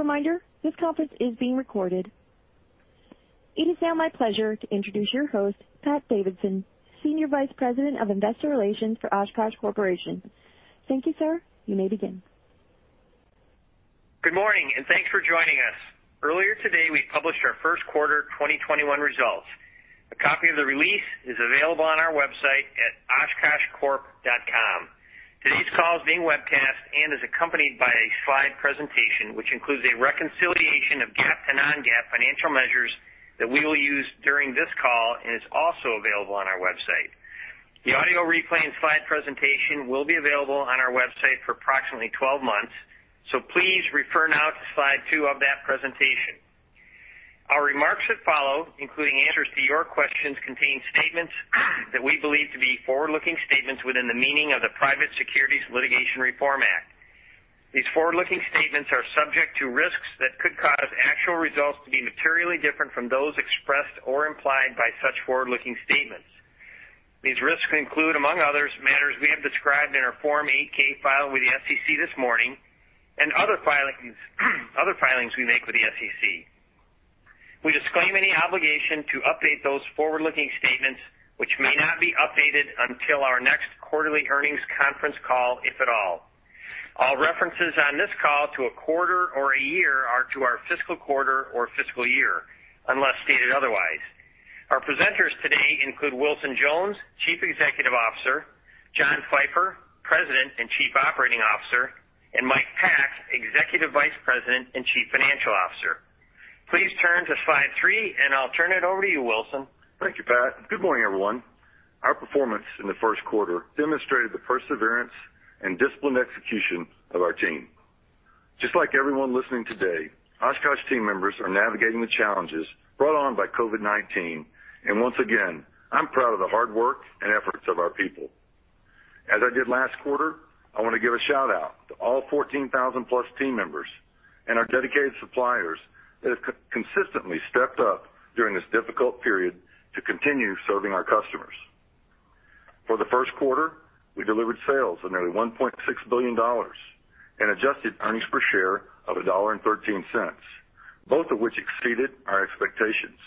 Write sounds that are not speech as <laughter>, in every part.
As a reminder, this conference is being recorded. It is now my pleasure to introduce your host, Patrick Davidson, Senior Vice President of Investor Relations for Oshkosh Corporation. Thank you, sir. You may begin. Good morning, and thanks for joining us. Earlier today, we published our first quarter 2021 results. A copy of the release is available on our website at oshkoshcorp.com. Today's call is being webcast and is accompanied by a slide presentation, which includes a reconciliation of GAAP to non-GAAP financial measures that we will use during this call and is also available on our website. The audio replay and slide presentation will be available on our website for approximately 12 months. Please refer now to slide two of that presentation. Our remarks that follow, including answers to your questions, contain statements that we believe to be forward-looking statements within the meaning of the Private Securities Litigation Reform Act. These forward looking statements are subject to risks that could cause actual results to be materially different from those expressed or implied by such forward looking statements. These risks include, among others, matters we have described in our Form 8-K filed with the SEC this morning and other filings we make with the SEC. We disclaim any obligation to update those forward-looking statements, which may not be updated until our next quarterly earnings conference call, if at all. All references on this call to a quarter or a year are to our fiscal quarter or fiscal year, unless stated otherwise. Our presenters today include Wilson Jones, Chief Executive Officer, John Pfeifer, President and Chief Operating Officer, and Mike Pack, Executive Vice President and Chief Financial Officer. Please turn to slide three and I'll turn it over to you, Wilson. Thank you, Pat. Good morning, everyone. Our performance in the first quarter demonstrated the perseverance and disciplined execution of our team. Just like everyone listening today, Oshkosh team members are navigating the challenges brought on by COVID-19, and once again, I'm proud of the hard work and efforts of our people. As I did last quarter, I want to give a shout-out to all 14,000+ team members and our dedicated suppliers that have consistently stepped up during this difficult period to continue serving our customers. For the first quarter, we delivered sales of nearly $1.6 billion and adjusted earnings per share of $1.13, both of which exceeded our expectations.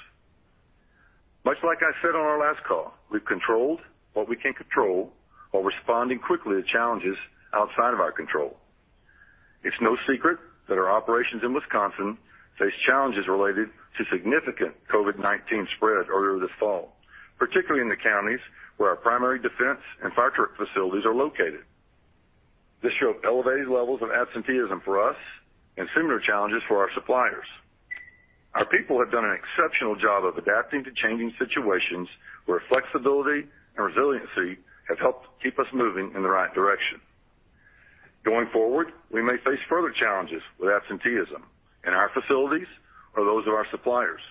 Much like I said on our last call, we've controlled what we can control while responding quickly to challenges outside of our control. It's no secret that our operations in Wisconsin face challenges related to significant COVID-19 spread earlier this fall, particularly in the counties where our primary defense and fire truck facilities are located. This showed elevated levels of absenteeism for us and similar challenges for our suppliers. Our people have done an exceptional job of adapting to changing situations where flexibility and resiliency have helped keep us moving in the right direction. Going forward, we may face further challenges with absenteeism in our facilities or those of our suppliers.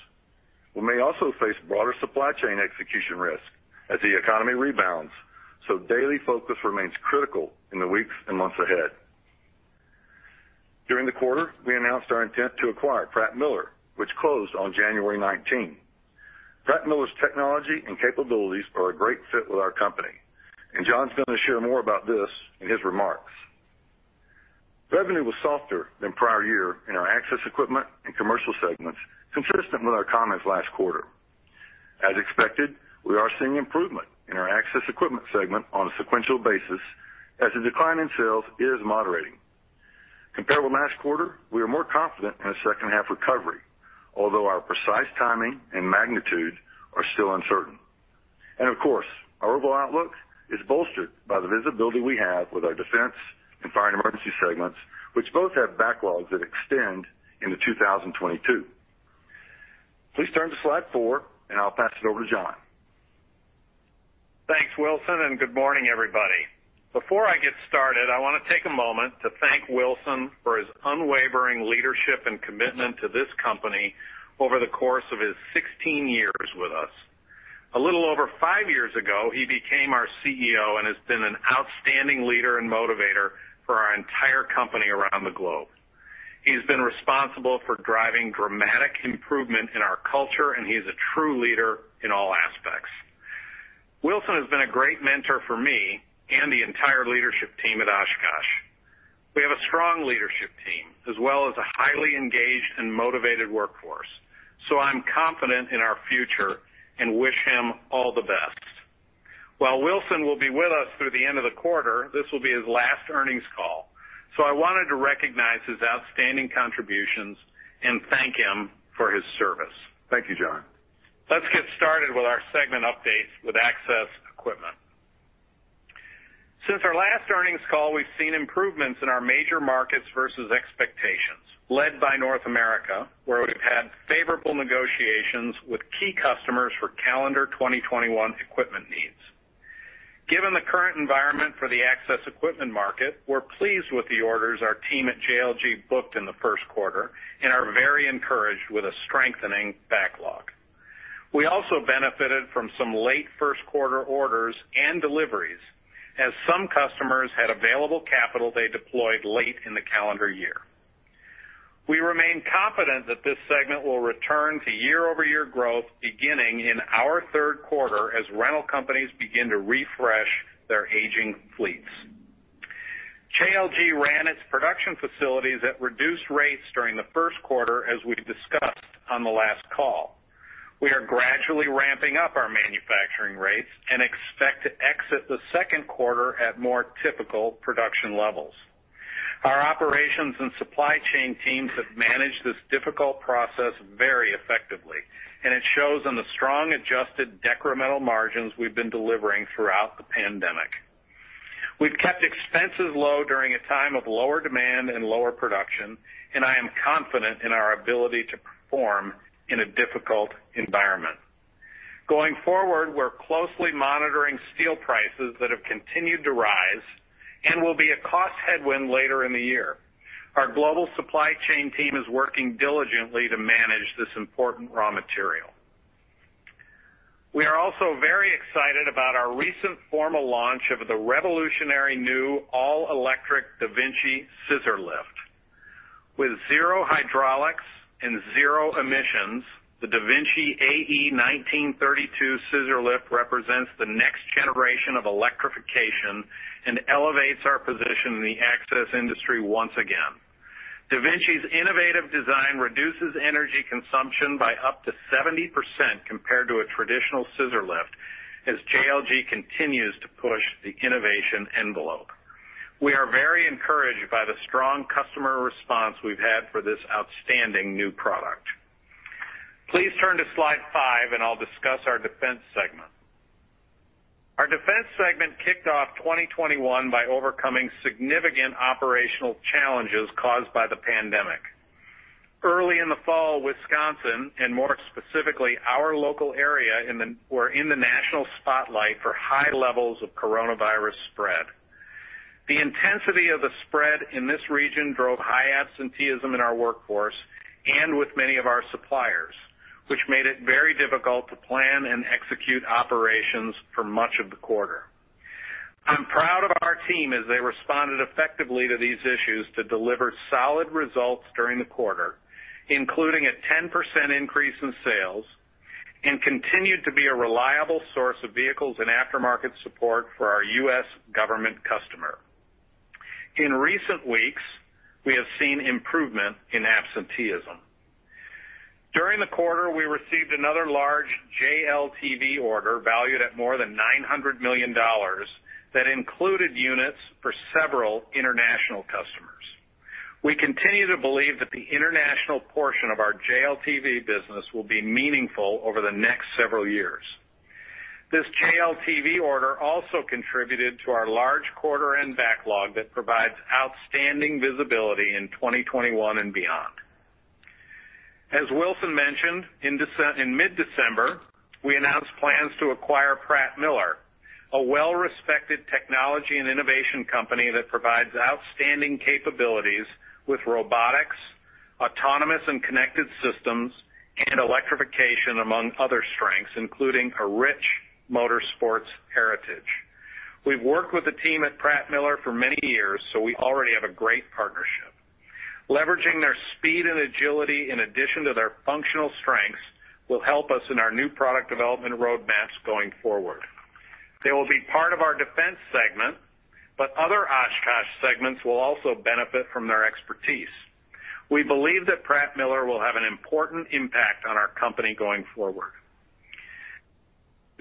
We may also face broader supply chain execution risk as the economy rebounds, so daily focus remains critical in the weeks and months ahead. During the quarter, we announced our intent to acquire Pratt Miller, which closed on January 19. Pratt Miller's technology and capabilities are a great fit with our company. John's going to share more about this in his remarks. Revenue was softer than prior year in our Access Equipment and Commercial segments, consistent with our comments last quarter. As expected, we are seeing improvement in our Access Equipment segment on a sequential basis as the decline in sales is moderating. Comparable to last quarter, we are more confident in a second half recovery, although our precise timing and magnitude are still uncertain. Of course, our overall outlook is bolstered by the visibility we have with our Defense and Fire & Emergency segments, which both have backlogs that extend into 2022. Please turn to slide four. I'll pass it over to John. Thanks, Wilson. Good morning, everybody. Before I get started, I want to take a moment to thank Wilson for his unwavering leadership and commitment to this company over the course of his 16 years with us. A little over five years ago, he became our CEO and has been an outstanding leader and motivator for our entire company around the globe. He has been responsible for driving dramatic improvement in our culture. He is a true leader in all aspects. Wilson has been a great mentor for me and the entire leadership team at Oshkosh. We have a strong leadership team as well as a highly engaged and motivated workforce. I'm confident in our future and wish him all the best. While Wilson will be with us through the end of the quarter, this will be his last earnings call. I wanted to recognize his outstanding contributions and thank him for his service. Thank you, John. Let's get started with our segment updates with access equipment. Since our last earnings call, we've seen improvements in our major markets versus expectations led by North America, where we've had favorable negotiations with key customers for calendar 2021 equipment needs. Given the current environment for the access equipment market, we're pleased with the orders our team at JLG booked in the first quarter and are very encouraged with a strengthening backlog. We also benefited from some late first quarter orders and deliveries as some customers had available capital they deployed late in the calendar year. We remain confident that this segment will return to year-over-year growth beginning in our third quarter as rental companies begin to refresh their aging fleets. JLG ran its production facilities at reduced rates during the first quarter, as we discussed on the last call. We are gradually ramping up our manufacturing rates and expect to exit the second quarter at more typical production levels. Our operations and supply chain teams have managed this difficult process very effectively, and it shows in the strong adjusted decremental margins we've been delivering throughout the pandemic. We've kept expenses low during a time of lower demand and lower production, and I am confident in our ability to perform in a difficult environment. Going forward, we're closely monitoring steel prices that have continued to rise and will be a cost headwind later in the year. Our global supply chain team is working diligently to manage this important raw material. We are also very excited about our recent formal launch of the revolutionary new all-electric DaVinci scissor lift. With zero hydraulics and zero emissions, the DaVinci AE1932 scissor lift represents the next generation of electrification and elevates our position in the access industry once again. DaVinci's innovative design reduces energy consumption by up to 70% compared to a traditional scissor lift, as JLG continues to push the innovation envelope. We are very encouraged by the strong customer response we've had for this outstanding new product. Please turn to slide five, and I'll discuss our Defense Segment. Our Defense Segment kicked off 2021 by overcoming significant operational challenges caused by the pandemic. Early in the fall, Wisconsin, and more specifically, our local area, were in the national spotlight for high levels of coronavirus spread. The intensity of the spread in this region drove high absenteeism in our workforce and with many of our suppliers, which made it very difficult to plan and execute operations for much of the quarter. I'm proud of our team as they responded effectively to these issues to deliver solid results during the quarter, including a 10% increase in sales, and continued to be a reliable source of vehicles and aftermarket support for our U.S. government customer. In recent weeks, we have seen improvement in absenteeism. During the quarter, we received another large JLTV order valued at more than $900 million that included units for several international customers. We continue to believe that the international portion of our JLTV business will be meaningful over the next several years. This JLTV order also contributed to our large quarter end backlog that provides outstanding visibility in 2021 and beyond. As Wilson mentioned, in mid-December, we announced plans to acquire Pratt Miller, a well-respected technology and innovation company that provides outstanding capabilities with robotics, autonomous and connected systems, and electrification, among other strengths, including a rich motorsports heritage. We've worked with the team at Pratt Miller for many years, we already have a great partnership. Leveraging their speed and agility in addition to their functional strengths will help us in our new product development roadmaps going forward. They will be part of our Defense segment, other Oshkosh segments will also benefit from their expertise. We believe that Pratt Miller will have an important impact on our company going forward.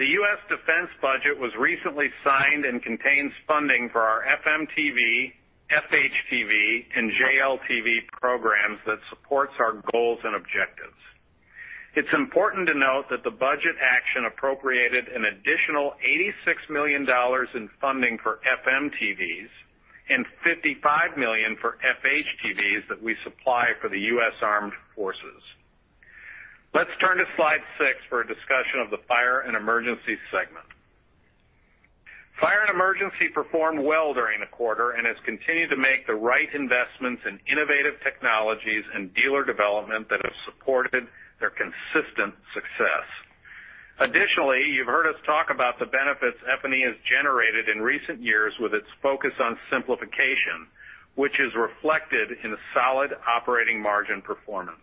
The U.S. defense budget was recently signed and contains funding for our FMTV, FHTV, and JLTV programs that supports our goals and objectives. It's important to note that the budget action appropriated an additional $86 million in funding for FMTVs and $55 million for FHTVs that we supply for the U.S. Armed Forces. Let's turn to slide six for a discussion of the Fire & Emergency segment. Fire & Emergency performed well during the quarter and has continued to make the right investments in innovative technologies and dealer development that have supported their consistent success. Additionally, you've heard us talk about the benefits F&E has generated in recent years with its focus on simplification, which is reflected in the solid operating margin performance.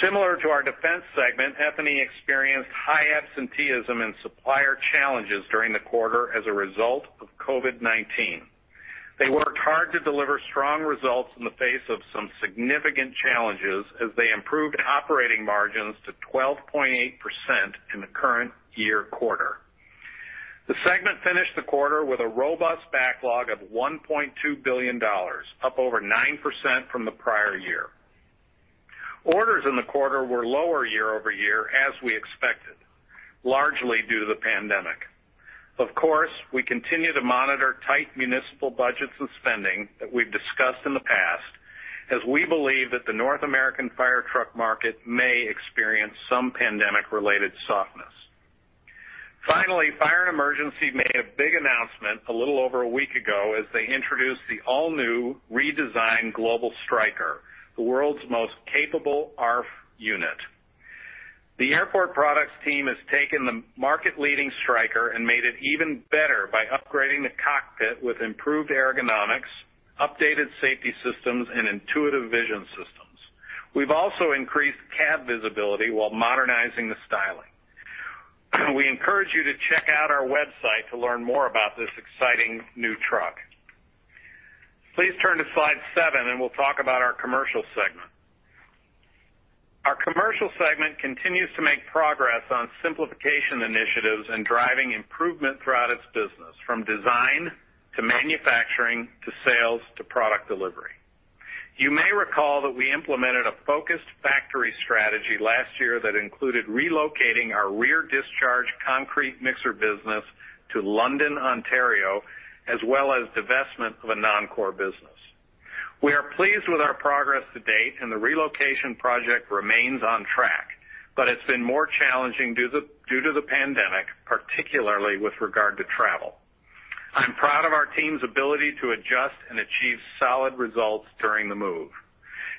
Similar to our Defense segment, F&E experienced high absenteeism and supplier challenges during the quarter as a result of COVID-19. They worked hard to deliver strong results in the face of some significant challenges as they improved operating margins to 12.8% in the current year quarter. The segment finished the quarter with a robust backlog of $1.2 billion, up over 9% from the prior year. Orders in the quarter were lower year-over-year as we expected, largely due to the pandemic. Of course, we continue to monitor tight municipal budgets and spending that we've discussed in the past, as we believe that the North American fire truck market may experience some pandemic-related softness. Finally, Fire and Emergency made a big announcement a little over a week ago as they introduced the all-new redesigned Global Striker, the world's most capable ARFF unit. The Airport Products team has taken the market-leading Striker and made it even better by upgrading the cockpit with improved ergonomics, updated safety systems, and intuitive vision systems. We've also increased cab visibility while modernizing the styling. We encourage you to check out our website to learn more about this exciting new truck. Please turn to slide seven. We'll talk about our commercial segment. Our commercial segment continues to make progress on simplification initiatives and driving improvement throughout its business, from design to manufacturing, to sales, to product delivery. You may recall that we implemented a focused factory strategy last year that included relocating our rear discharge concrete mixer business to London, Ontario, as well as divestment of a non-core business. We are pleased with our progress to date and the relocation project remains on track, but it's been more challenging due to the pandemic, particularly with regard to travel. I'm proud of our team's ability to adjust and achieve solid results during the move.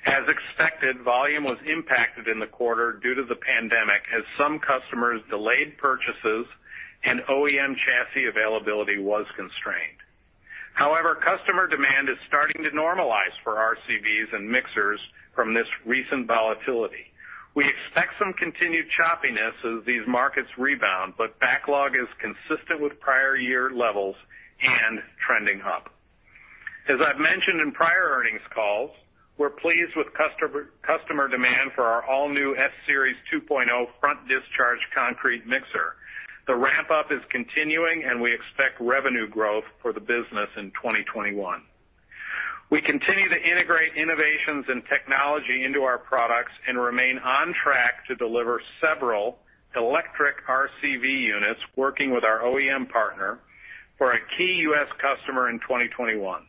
As expected, volume was impacted in the quarter due to the pandemic as some customers delayed purchases and OEM chassis availability was constrained. However, customer demand is starting to normalize for RCVs and mixers from this recent volatility. We expect some continued choppiness as these markets rebound, backlog is consistent with prior year levels and trending up. As I've mentioned in prior earnings calls, we're pleased with customer demand for our all-new S-Series 2.0 front discharge concrete mixer. The ramp-up is continuing, we expect revenue growth for the business in 2021. We continue to integrate innovations and technology into our products, remain on track to deliver several electric RCV units working with our OEM partner for a key U.S. customer in 2021.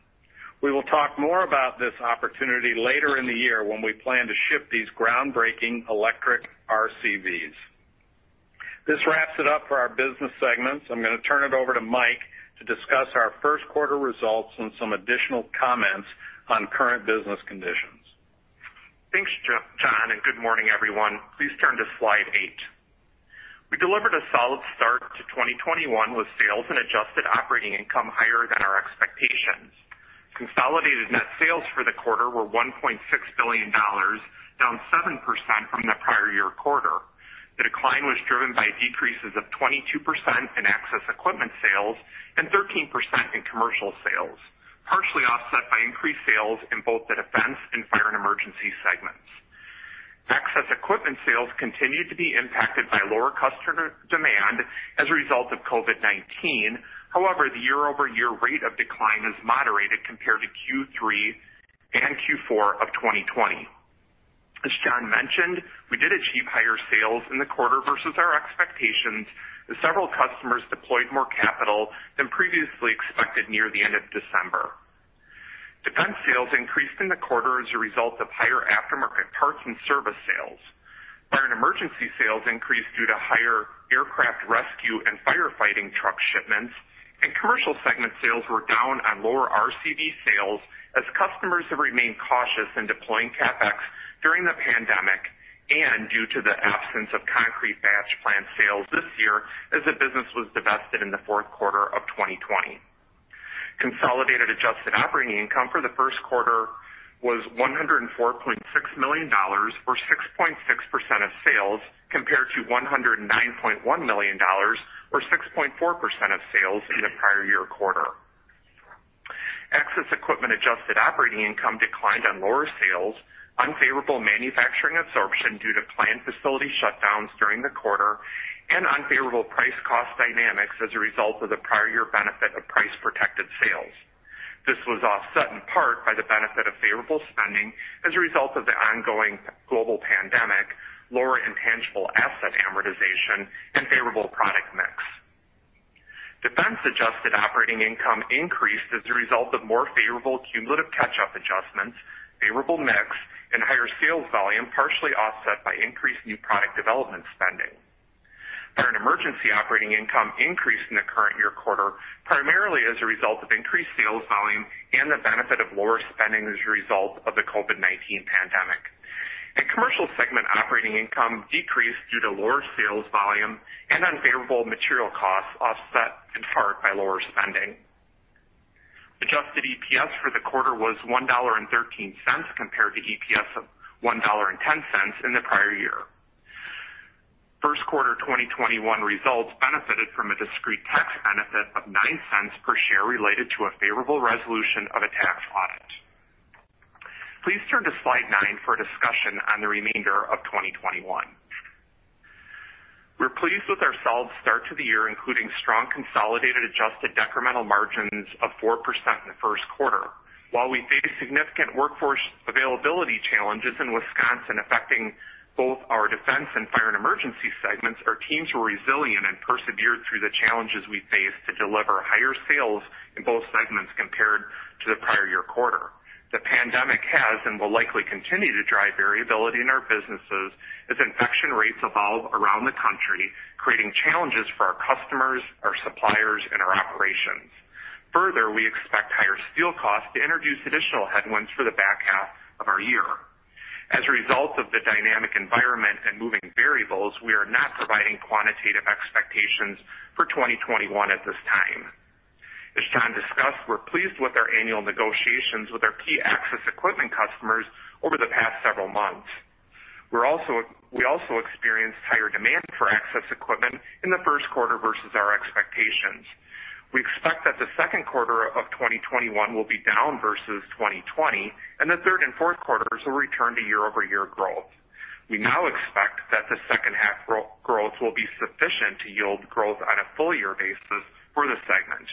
We will talk more about this opportunity later in the year when we plan to ship these groundbreaking electric RCVs. This wraps it up for our business segments. I'm going to turn it over to Mike to discuss our first quarter results and some additional comments on current business conditions. Thanks, John, good morning, everyone. Please turn to slide eight. We delivered a solid start to 2021 with sales and adjusted operating income higher than our expectations. Consolidated net sales for the quarter were $1.6 billion, down 7% from the prior year quarter. The decline was driven by decreases of 22% in access equipment sales and 13% in commercial sales, partially offset by increased sales in both the Defense and Fire & Emergency segments. Access equipment sales continued to be impacted by lower customer demand as a result of COVID-19. However, the year-over-year rate of decline has moderated compared to Q3 and Q4 of 2020. As John mentioned, we did achieve higher sales in the quarter versus our expectations as several customers deployed more capital than previously expected near the end of December. Defense sales increased in the quarter as a result of higher aftermarket parts and service sales. Fire & Emergency sales increased due to higher aircraft rescue and firefighting truck shipments. Commercial segment sales were down on lower RCV sales as customers have remained cautious in deploying CapEx during the pandemic and due to the absence of concrete batch plant sales this year as the business was divested in the fourth quarter of 2020. Consolidated adjusted operating income for the first quarter was $104.6 million or 6.6% of sales, compared to $109.1 million or 6.4% of sales in the prior year quarter. Access Equipment adjusted operating income declined on lower sales, unfavorable manufacturing absorption due to planned facility shutdowns during the quarter, and unfavorable price cost dynamics as a result of the prior year benefit of price protected sales. This was offset in part by the benefit of favorable spending as a result of the ongoing global pandemic, lower intangible asset amortization, and favorable product mix. Defense adjusted operating income increased as a result of more favorable cumulative catch-up adjustments, favorable mix, and higher sales volume, partially offset by increased new product development spending. Fire & Emergency operating income increased in the current year quarter, primarily as a result of increased sales volume and the benefit of lower spending as a result of the COVID-19 pandemic. Commercial segment operating income decreased due to lower sales volume and unfavorable material costs offset in part by lower spending. Adjusted EPS for the quarter was $1.13 compared to EPS of $1.10 in the prior year. First quarter 2021 results benefited from a discrete tax benefit of $0.09 per share related to a favorable resolution of a tax audit. Please turn to slide nine for a discussion on the remainder of 2021. We're pleased with our solid start to the year, including strong consolidated adjusted decremental margins of 4% in the first quarter. While we faced significant workforce availability challenges in Wisconsin affecting both our Defense and Fire & Emergency segments, our teams were resilient and persevered through the challenges we faced to deliver higher sales in both segments compared to the prior year quarter. The pandemic has and will likely continue to drive variability in our businesses as infection rates evolve around the country, creating challenges for our customers, our suppliers, and our operations. Further, we expect higher steel costs to introduce additional headwinds for the back half of our year. As a result of the dynamic environment and moving variables, we are not providing quantitative expectations for 2021 at this time. As John discussed, we're pleased with our annual negotiations with our key access equipment customers over the past several months. We also experienced higher demand for access equipment in the first quarter versus our expectations. We expect that the second quarter of 2021 will be down versus 2020, and the third and fourth quarters will return to year-over-year growth. We now expect that the second half growth will be sufficient to yield growth on a full year basis for the segment.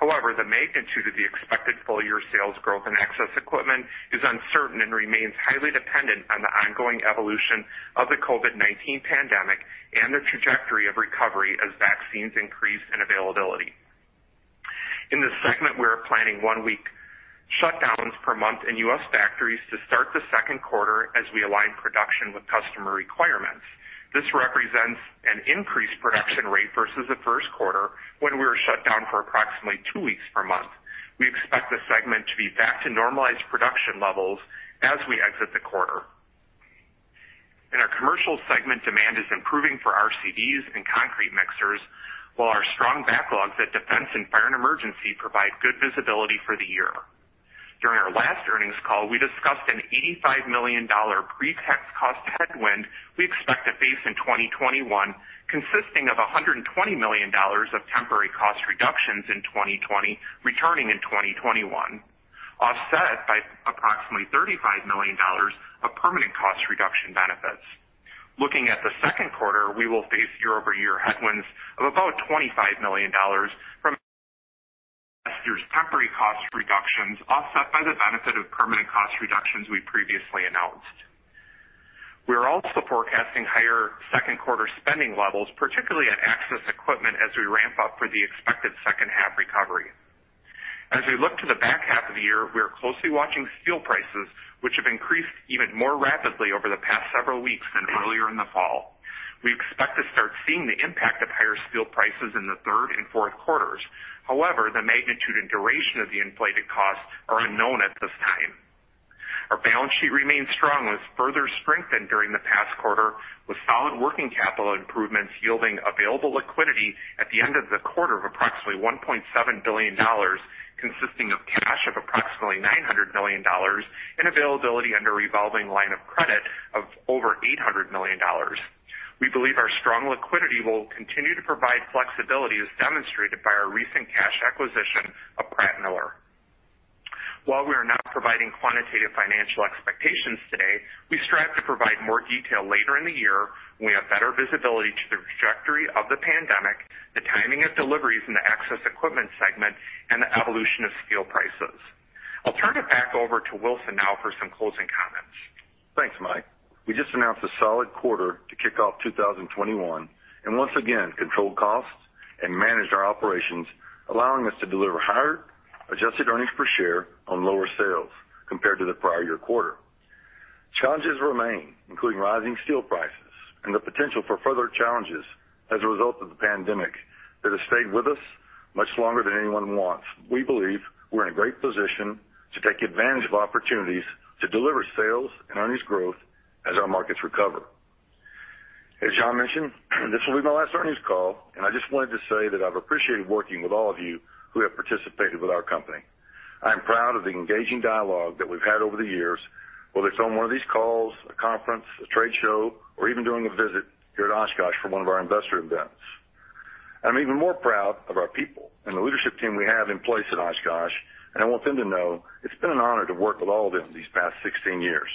However, the magnitude of the expected full year sales growth in access equipment is uncertain and remains highly dependent on the ongoing evolution of the COVID-19 pandemic and the trajectory of recovery as vaccines increase in availability. In this segment, we are planning one-week shutdowns per month in U.S. factories to start the second quarter as we align production with customer requirements. This represents an increased production rate versus the first quarter, when we were shut down for approximately two weeks per month. We expect the segment to be back to normalized production levels as we exit the quarter. In our Commercial segment, demand is improving for RCVs and concrete mixers, while our strong backlogs at Defense and Fire & Emergency provide good visibility for the year. During our last earnings call, we discussed an $85 million pre-tax cost headwind we expect to face in 2021, consisting of $120 million of temporary cost reductions in 2020, returning in 2021, offset by approximately $35 million of permanent cost reduction benefits. Looking at the second quarter, we will face year-over-year headwinds of about $25 million from last year's temporary cost reductions, offset by the benefit of permanent cost reductions we previously announced. We are also forecasting higher second quarter spending levels, particularly on access equipment, as we ramp up for the expected second half recovery. As we look to the back half of the year, we are closely watching steel prices, which have increased even more rapidly over the past several weeks than earlier in the fall. We expect to start seeing the impact of higher steel prices in the third and fourth quarters. The magnitude and duration of the inflated costs are unknown at this time. Our balance sheet remains strong and was further strengthened during the past quarter, with solid working capital improvements yielding available liquidity at the end of the quarter of approximately $1.7 billion, consisting of cash of approximately $900 million and availability under revolving line of credit of over $800 million. We believe our strong liquidity will continue to provide flexibility, as demonstrated by our recent cash acquisition of Pratt Miller. While we are not providing quantitative financial expectations today, we strive to provide more detail later in the year when we have better visibility to the trajectory of the pandemic, the timing of deliveries in the access equipment segment, and the evolution of steel prices. I'll turn it back over to Wilson now for some closing comments. Thanks, Mike. We just announced a solid quarter to kick off 2021, once again, controlled costs and managed our operations, allowing us to deliver higher adjusted earnings per share on lower sales compared to the prior year quarter. Challenges remain, including rising steel prices and the potential for further challenges as a result of the pandemic that has stayed with us much longer than anyone wants. We believe we're in a great position to take advantage of opportunities to deliver sales and earnings growth as our markets recover. As John mentioned, this will be my last earnings call, I just wanted to say that I've appreciated working with all of you who have participated with our company. I am proud of the engaging dialogue that we've had over the years, whether it's on one of these calls, a conference, a trade show, or even during a visit here at Oshkosh for one of our investor events. I'm even more proud of our people and the leadership team we have in place at Oshkosh, and I want them to know it's been an honor to work with all of them these past 16 years.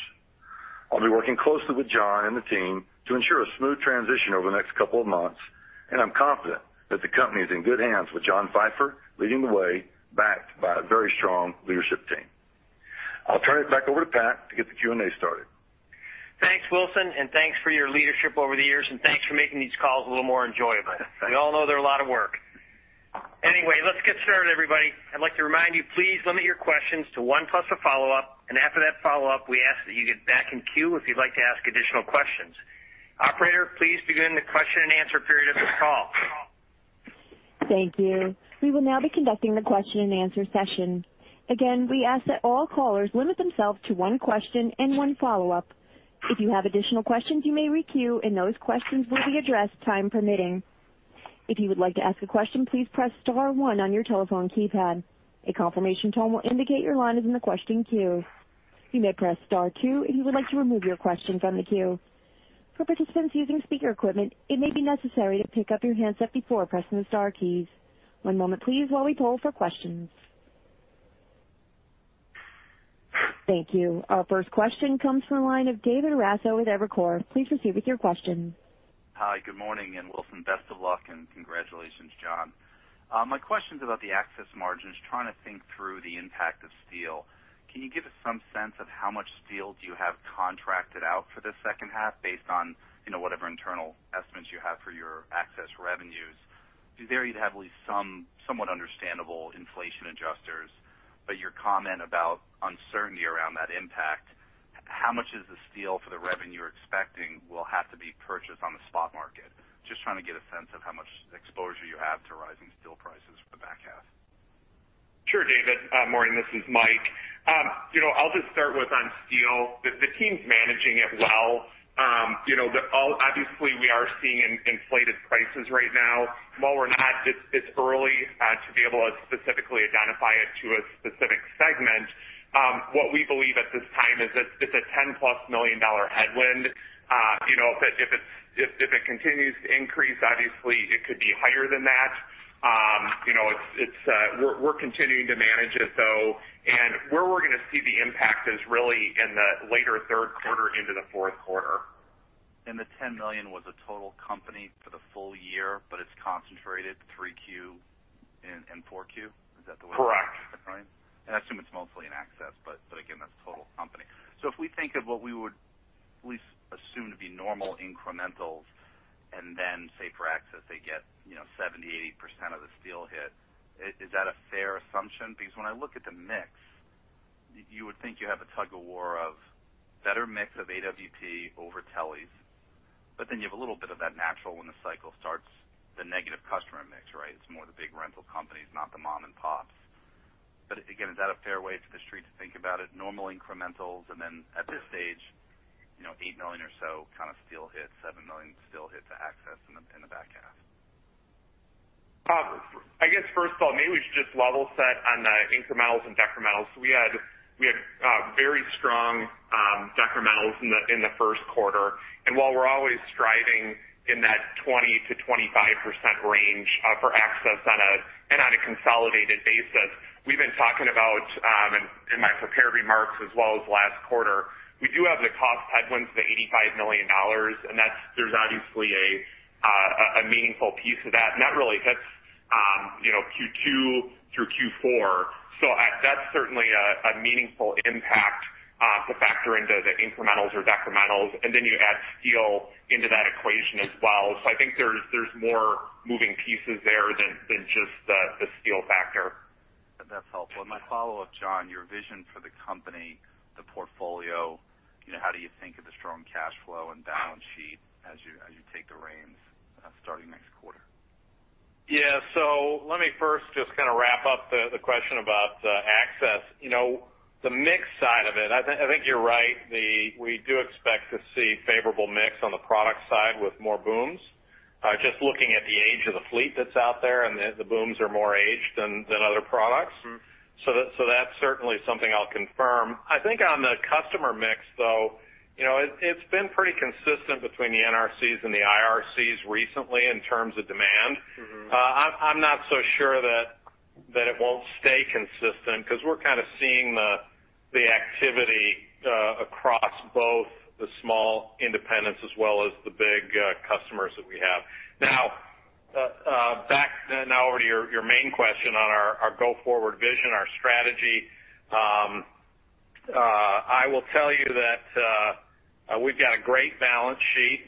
I'll be working closely with John and the team to ensure a smooth transition over the next couple of months, and I'm confident that the company is in good hands with John Pfeifer leading the way, backed by a very strong leadership team. I'll turn it back over to Pat to get the Q&A started. Thanks, Wilson, and thanks for your leadership over the years, and thanks for making these calls a little more enjoyable. We all know they're a lot of work. Let's get started everybody. I'd like to remind you, please limit your questions to one plus a follow-up, and after that follow-up, we ask that you get back in queue if you'd like to ask additional questions. Operator, please begin the question and answer period of this call. Thank you. We will now be conducting the question and answer session. Again, we ask that all callers limit themselves to one question and one follow-up. If you have additional questions, you may re-queue, and those questions will be addressed, time permitting. If you would like to ask a question, please press star one on your telephone keypad. A confirmation tone will indicate your line is in the question queue. You may press star two if you would like to remove your question from the queue. For participants using speaker equipment, it may be necessary to pick up your handset before pressing the star keys. One moment, please, while we poll for questions. Thank you. Our first question comes from the line of David Raso with Evercore. Please proceed with your question. Hi, good morning. Wilson, best of luck, and congratulations, John. My question's about the access margins, trying to think through the impact of steel. Can you give us some sense of how much steel do you have contracted out for the second half based on whatever internal estimates you have for your access revenues? You varied heavily somewhat understandable inflation adjusters. Your comment about uncertainty around that impact, how much of the steel for the revenue you're expecting will have to be purchased on the spot market? Just trying to get a sense of how much exposure you have to rising steel prices for the back half. Sure, David. Morning, this is Mike. I'll just start with on steel. The team's managing it well. Obviously, we are seeing inflated prices right now. While we're not this early to be able to specifically identify it to a specific segment, what we believe at this time is it's a $10+ million headwind. If it continues to increase, obviously it could be higher than that. We're continuing to manage it, though. Where we're going to see the impact is really in the later third quarter into the fourth quarter. And the $10 million was a total company for the full year, but it's concentrated 3Q and 4Q. Is that the way? Correct. Right. I assume it's mostly in Access, but again, that's total company. If we think of what we would assume to be normal incrementals, and then say for Access, they get 70%-80% of the steel hit, is that a fair assumption? When I look at the mix, you would think you have a tug of war of better mix of AWP over teles, but then you have a little bit of that natural when the cycle starts, the negative customer mix, right? It's more the big rental companies, not the mom and pops. Again, is that a fair way for the street to think about it? Normal incrementals, and then at this stage, $8 million or so steel hit, $7 million steel hit to Access in the back half. I guess first of all, maybe we should just level set on the incrementals and decrementals. We had very strong decrementals in the first quarter, and while we're always striving in that 20%-25% range for Access and on a consolidated basis, we've been talking about, in my prepared remarks as well as last quarter, we do have the cost headwinds, the $85 million, and there's obviously a meaningful piece of that, and that really hits Q2 through Q4. That's certainly a meaningful impact to factor into the incrementals or decrementals. You add steel into that equation as well. I think there's more moving pieces there than just the steel factor. That's helpful. My follow-up, John, your vision for the company, the portfolio, how do you think of the strong cash flow and balance sheet as you take the reins starting next quarter? Yeah. Let me first just kind of wrap up the question about Access. The mix side of it, I think you're right. We do expect to see favorable mix on the product side with more booms. Just looking at the age of the fleet that's out there. The booms are more aged than other products. That's certainly something I'll confirm. I think on the customer mix, though, it's been pretty consistent between the NRCs and the IRCs recently in terms of demand. I'm not so sure that it won't stay consistent because we're kind of seeing the activity across both the small independents as well as the big customers that we have. Back over to your main question on our go forward vision, our strategy. I will tell you that we've got a great balance sheet,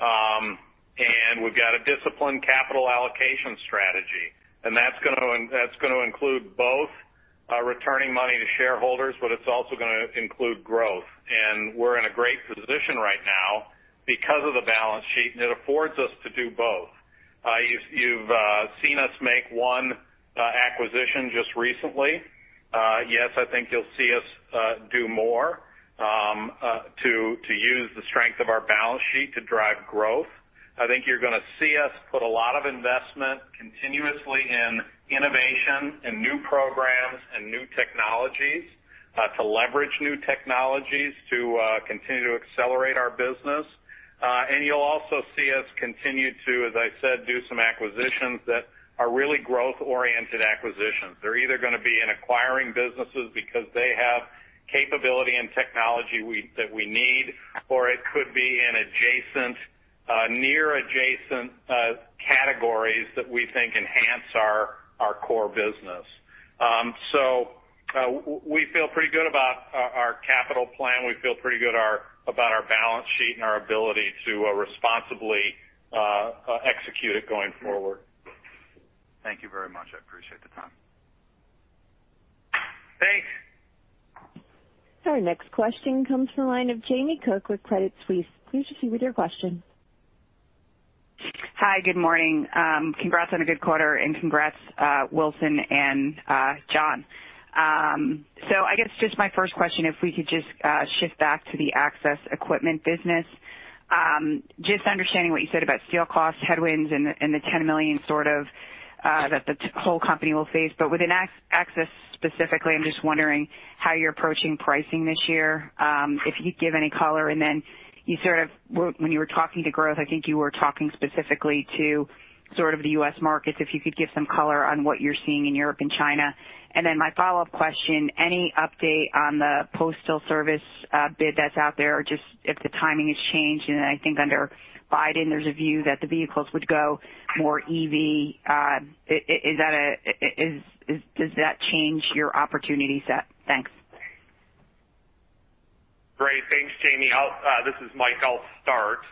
and we've got a disciplined capital allocation strategy, and that's going to include both returning money to shareholders, but it's also going to include growth. We're in a great position right now because of the balance sheet, and it affords us to do both. You've seen us make one acquisition just recently. Yes, I think you'll see us do more to use the strength of our balance sheet to drive growth. I think you're going to see us put a lot of investment continuously in innovation and new programs and new technologies, to leverage new technologies to continue to accelerate our business. You'll also see us continue to, as I said, do some acquisitions that are really growth-oriented acquisitions. They're either going to be in acquiring businesses because they have capability and technology that we need, or it could be in adjacent, near adjacent categories that we think enhance our core business. We feel pretty good about our capital plan. We feel pretty good about our balance sheet and our ability to responsibly execute it going forward. Thank you very much. I appreciate the time. Thanks. Our next question comes from the line of Jamie Cook with Credit Suisse. Please proceed with your question. Hi. Good morning. Congrats on a good quarter and congrats, Wilson and John. I guess just my first question, if we could just shift back to the Access Equipment business. Just understanding what you said about steel costs, headwinds, and the $10 million sort of that the whole company will face. Within Access specifically, I'm just wondering how you're approaching pricing this year, if you'd give any color. When you were talking to growth, I think you were talking specifically to sort of the U.S. markets, if you could give some color on what you're seeing in Europe and China. My follow-up question, any update on the US Postal Service bid that's out there, or just if the timing has changed? I think under Biden, there's a view that the vehicles would go more EV, does that change your opportunity set? Thanks. Great. Thanks, Jamie. This is Mike. I'll start.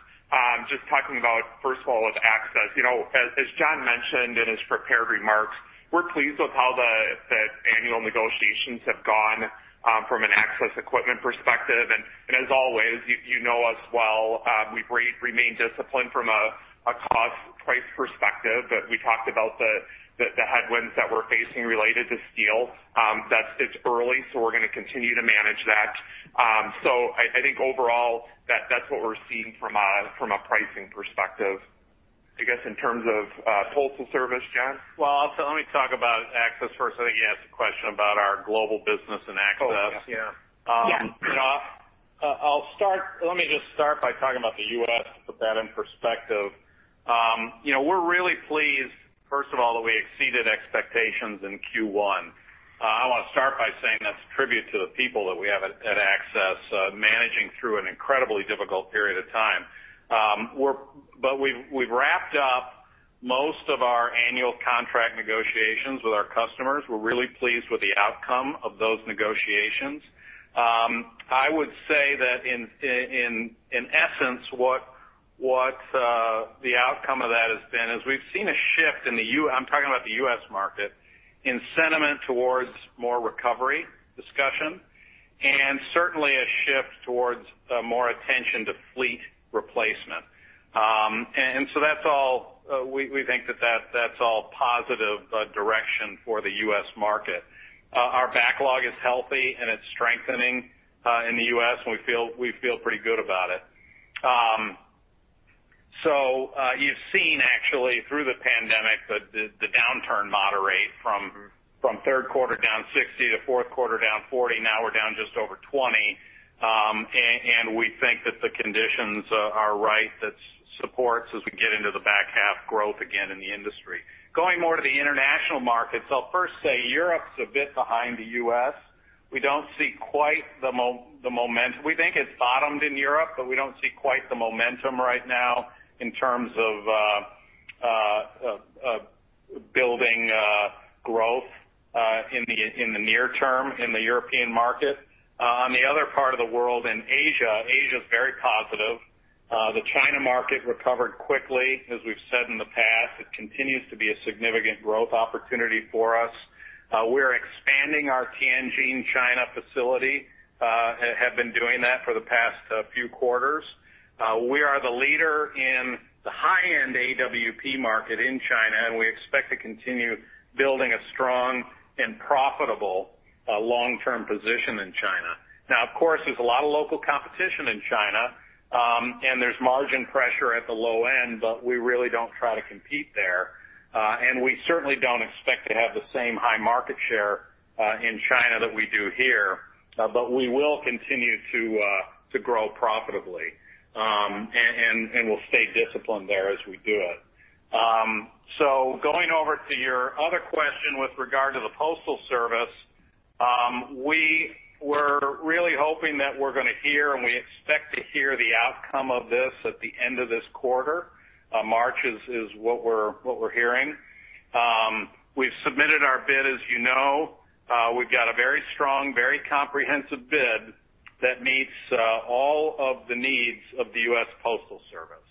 Just talking about, first of all, with Access. As John mentioned in his prepared remarks, we're pleased with how the annual negotiations have gone from an Access Equipment perspective. As always, you know us well, we've remained disciplined from a cost price perspective. We talked about the headwinds that we're facing related to steel. It's early, we're going to continue to manage that. I think That's what we're seeing from a pricing perspective. I guess, in terms of Postal Service, John? Well, let me talk about Access first. I think you asked a question about our global business and Access. Oh, yeah. Yeah. Let me just start by talking about the U.S. to put that in perspective. We're really pleased, first of all, that we exceeded expectations in Q1. I want to start by saying that's a tribute to the people that we have at Access, managing through an incredibly difficult period of time. We've wrapped up most of our annual contract negotiations with our customers. We're really pleased with the outcome of those negotiations. I would say that in essence, what the outcome of that has been is we've seen a shift, I'm talking about the U.S. market, in sentiment towards more recovery discussion, and certainly a shift towards more attention to fleet replacement. We think that that's all positive direction for the U.S. market. Our backlog is healthy, and it's strengthening in the U.S., and we feel pretty good about it. You've seen, actually, through the pandemic, the downturn moderate from third quarter down 60% to fourth quarter down 40%. Now we're down just over 20%. We think that the conditions are right that supports as we get into the back half growth again in the industry. Going more to the international markets, I'll first say Europe's a bit behind the U.S. We think it's bottomed in Europe, but we don't see quite the momentum right now in terms of building growth in the near term in the European market. On the other part of the world in Asia's very positive. The China market recovered quickly. As we've said in the past, it continues to be a significant growth opportunity for us. We're expanding our Tianjin, China facility, have been doing that for the past few quarters. We are the leader in the high-end AWP market in China, and we expect to continue building a strong and profitable long-term position in China. Of course, there's a lot of local competition in China, and there's margin pressure at the low end. We really don't try to compete there. We certainly don't expect to have the same high market share in China that we do here. We will continue to grow profitably. We'll stay disciplined there as we do it. Going over to your other question with regard to the Postal Service, we were really hoping that we're going to hear, and we expect to hear the outcome of this at the end of this quarter. March is what we're hearing. We've submitted our bid, as you know. We've got a very strong, very comprehensive bid that meets all of the needs of the US Postal Service.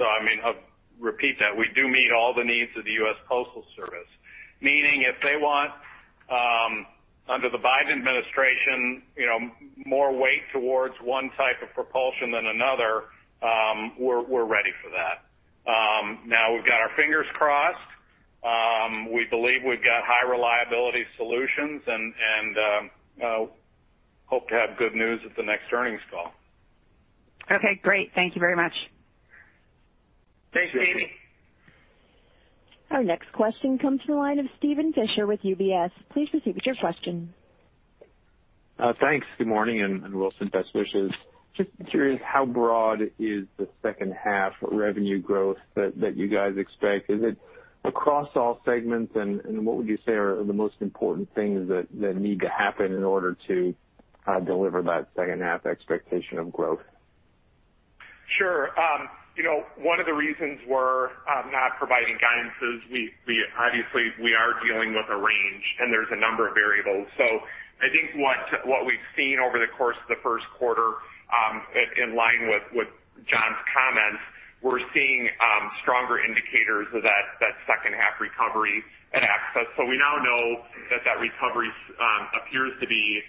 I'll repeat that. We do meet all the needs of the US Postal Service, meaning if they want, under the Biden administration, more weight towards one type of propulsion than another, we're ready for that. We've got our fingers crossed. We believe we've got high-reliability solutions, and hope to have good news at the next earnings call. Okay, great. Thank you very much. Thanks, Jamie. Our next question comes from the line of Steven Fisher with UBS. Please proceed with your question. Thanks. Good morning, and Wilson, best wishes. Just curious, how broad is the second half revenue growth that you guys expect? Is it across all segments? What would you say are the most important things that need to happen in order to deliver that second half expectation of growth? Sure. One of the reasons we're not providing guidance is obviously we are dealing with a range, and there's a number of variables. I think what we've seen over the course of the first quarter, in line with John's comments, we're seeing stronger indicators of that second half recovery at Access. We now know that recovery appears to be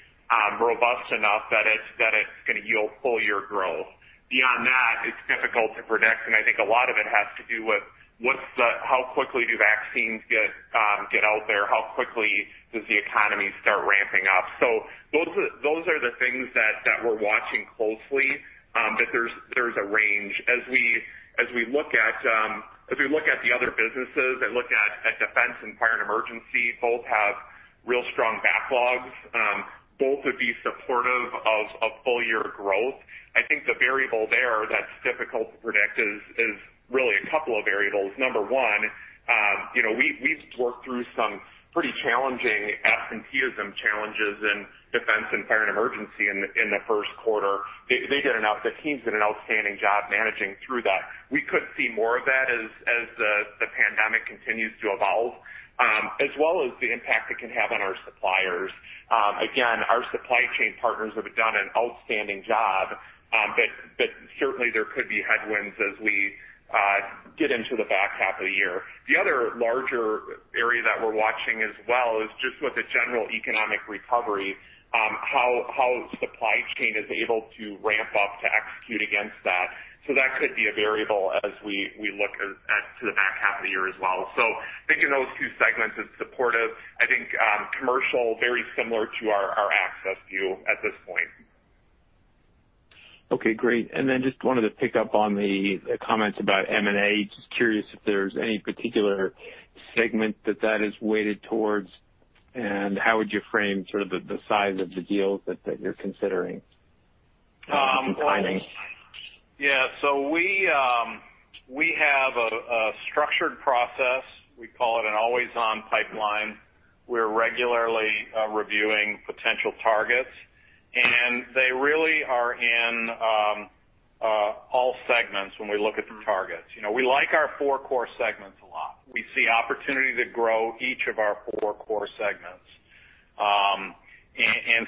robust enough that it's going to yield full year growth. Beyond that, it's difficult to predict, and I think a lot of it has to do with how quickly do vaccines get out there? How quickly does the economy start ramping up? Those are the things that we're watching closely. There's a range. As we look at the other businesses and look at Defense and Fire & Emergency, both have real strong backlogs. Both would be supportive of full-year growth. I think the variable there that's difficult to predict is really a couple of variables. Number one, we've worked through some pretty challenging absenteeism challenges in Defense and Fire & Emergency in the first quarter. The team's did an outstanding job managing through that. We could see more of that as the pandemic continues to evolve, as well as the impact it can have on our suppliers. Again, our supply chain partners have done an outstanding job. Certainly there could be headwinds as we get into the back half of the year. The other larger area that we're watching as well is just with the general economic recovery, how supply chain is able to ramp up to execute against that. That could be a variable as we look to the back half of the year as well. I think in those two segments, it's supportive. I think commercial, very similar to our access view at this point. Okay, great. Just wanted to pick up on the comments about M&A. Just curious if there's any particular segment that that is weighted towards, and how would you frame sort of the size of the deals that you're considering? Yeah. We have a structured process. We call it an always-on pipeline. We're regularly reviewing potential targets, and they really are in all segments when we look at the targets. We like our four core segments a lot. We see opportunity to grow each of our four core segments.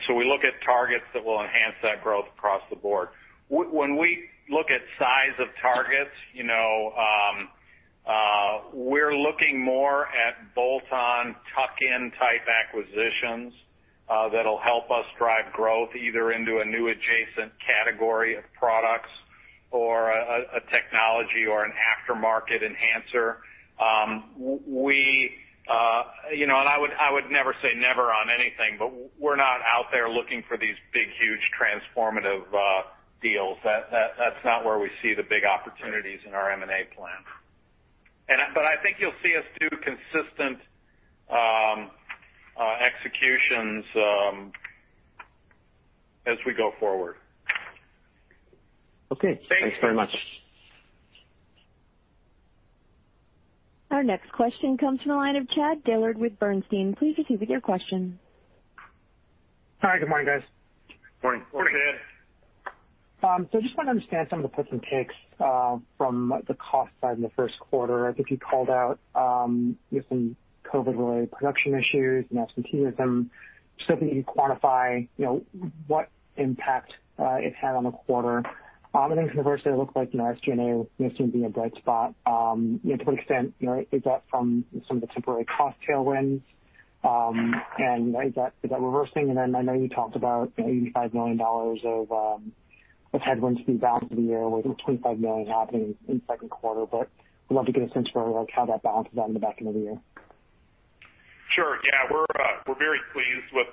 We look at targets that will enhance that growth across the board. When we look at size of targets, we're looking more at bolt-on, tuck-in type acquisitions that'll help us drive growth either into a new adjacent category of products or a technology or an aftermarket enhancer. I would never say never on anything, but we're not out there looking for these big, huge transformative deals. That's not where we see the big opportunities in our M&A plan. I think you'll see us do consistent executions as we go forward. Okay. Thanks very much. Our next question comes from the line of Chad Dillard with Bernstein. Please proceed with your question. Hi, good morning, guys. Morning. <crosstalk> Just want to understand some of the puts and takes from the cost side in the first quarter. I think you called out some COVID-related production issues and absenteeism. Just hoping you can quantify what impact it's had on the quarter. Conversely, it looked like SG&A may seem to be a bright spot. To what extent is that from some of the temporary cost tailwinds? Is that reversing? I know you talked about $85 million of headwinds through the back of the year, with $25 million happening in the second quarter. I'd love to get a sense for how that balances out in the back end of the year. Sure, yeah. We're very pleased with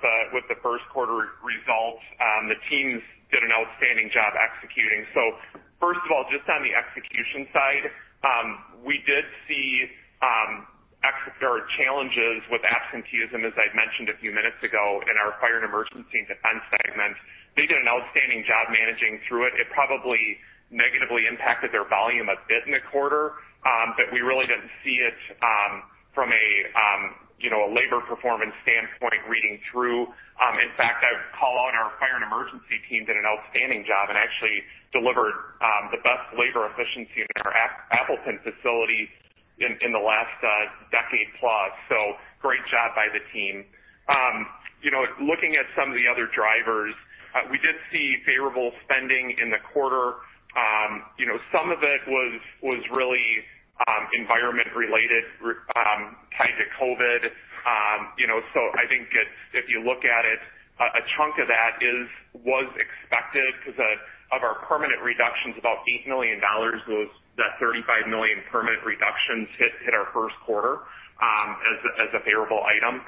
the first quarter results. The teams did an outstanding job executing. First of all, just on the execution side, we did see extra challenges with absenteeism, as I'd mentioned a few minutes ago, in our Fire & Emergency and Defense segment. They did an outstanding job managing through it. It probably negatively impacted their volume a bit in the quarter, but we really didn't see it from a labor performance standpoint reading through. In fact, I would call out our Fire & Emergency team did an outstanding job and actually delivered the best labor efficiency in our Appleton facility in the last decade plus. Great job by the team. Looking at some of the other drivers, we did see favorable spending in the quarter. Some of it was really environment related, tied to COVID. I think if you look at it, a chunk of that was expected because of our permanent reductions, about $8 million was that $35 million permanent reductions hit our first quarter as a favorable item.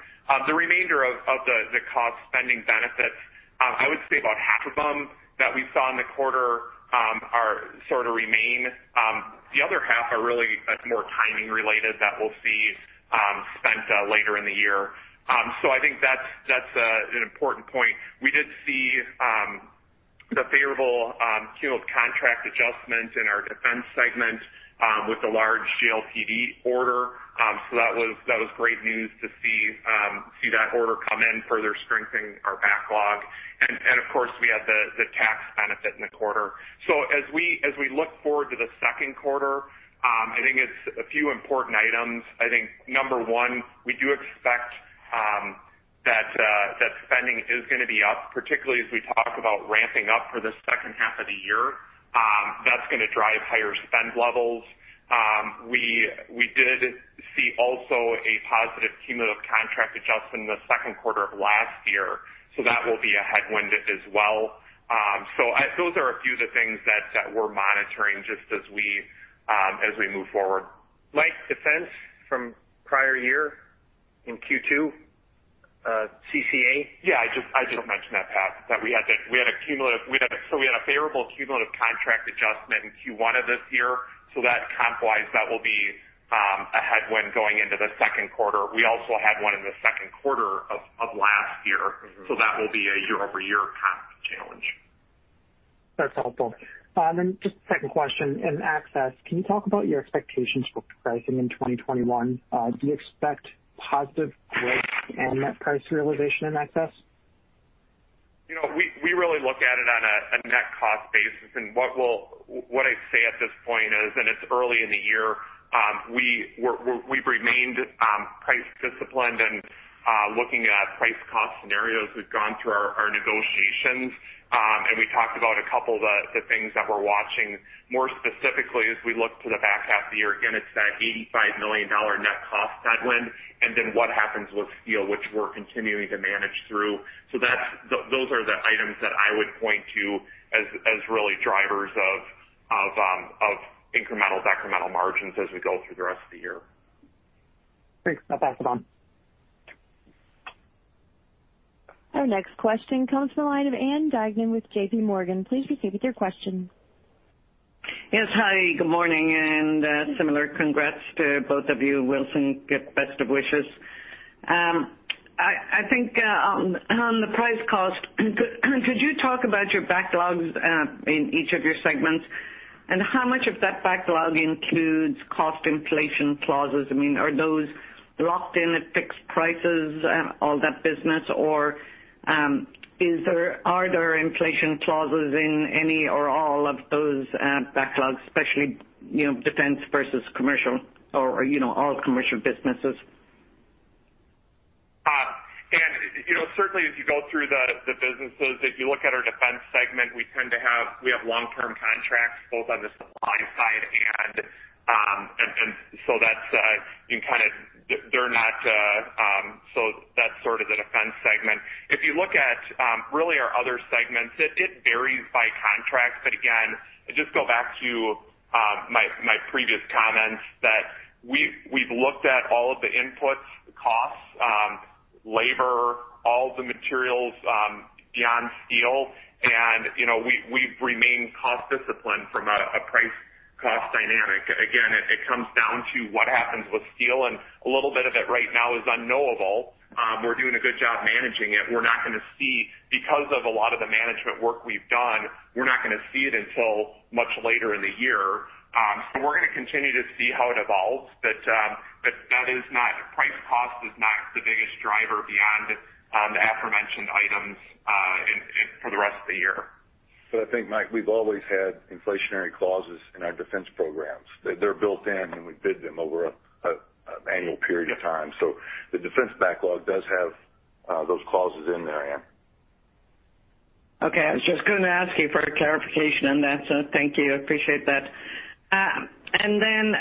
The remainder of the cost spending benefits, I would say about half of them that we saw in the quarter sort of remain. The other half are really more timing related that we'll see spent later in the year. I think that's an important point. We did see the favorable cumulative catch-up adjustment in our Defense segment with the large JLTV order. That was great news to see that order come in, further strengthening our backlog. Of course, we had the tax benefit in the quarter. As we look forward to the second quarter, I think it's a few important items. I think number one, we do expect that spending is going to be up, particularly as we talk about ramping up for the second half of the year. That's going to drive higher spend levels. We did see also a positive cumulative catch-up adjustment in the second quarter of last year, so that will be a headwind as well. Those are a few of the things that we're monitoring just as we move forward. Mike, Defense from prior year in Q2, CCA? Yeah, I just mentioned that, Pat. We had a favorable cumulative catch-up adjustment in Q1 of this year. Comp-wise, that will be a headwind going into the second quarter. We also had one in the second quarter of last year. That will be a year-over-year comp challenge. That's helpful. Just a second question. In Access, can you talk about your expectations for pricing in 2021? Do you expect positive growth and net price realization in Access? We really look at it on a net cost basis, what I'd say at this point is, it's early in the year, we've remained price disciplined and looking at price cost scenarios as we've gone through our negotiations. We talked about a couple of the things that we're watching more specifically as we look to the back half of the year. Again, it's that $85 million net cost headwind, and then what happens with steel, which we're continuing to manage through. Those are the items that I would point to as really drivers of incremental/decremental margins as we go through the rest of the year. Thanks. I'll pass it on. Our next question comes from the line of Ann Duignan with JPMorgan. Please proceed with your question. Yes. Hi, good morning. Similar congrats to both of you. Wilson, best of wishes. I think on the price cost, could you talk about your backlogs in each of your segments, and how much of that backlog includes cost inflation clauses? Are those locked in at fixed prices, all that business, or are there inflation clauses in any or all of those backlogs, especially, defense versus commercial, or all commercial businesses? Ann, certainly as you go through the businesses, if you look at our Defense segment, we have long-term contracts both on the supply side. That's the Defense segment. If you look at really our other segments, it varies by contract. Again, I just go back to my previous comments that we've looked at all of the inputs, costs, labor, all the materials beyond steel, and we've remained cost discipline from a price cost dynamic. Again, it comes down to what happens with steel, a little bit of it right now is unknowable. We're doing a good job managing it. Because of a lot of the management work we've done, we're not going to see it until much later in the year. We're going to continue to see how it evolves. Price cost is not the biggest driver beyond the aforementioned items for the rest of the year. I think, Mike, we've always had inflationary clauses in our defense programs. They're built in, and we bid them over an annual period of time. The defense backlog does have those clauses in there, Ann. Okay. I was just going to ask you for a clarification on that. Thank you. I appreciate that. Then,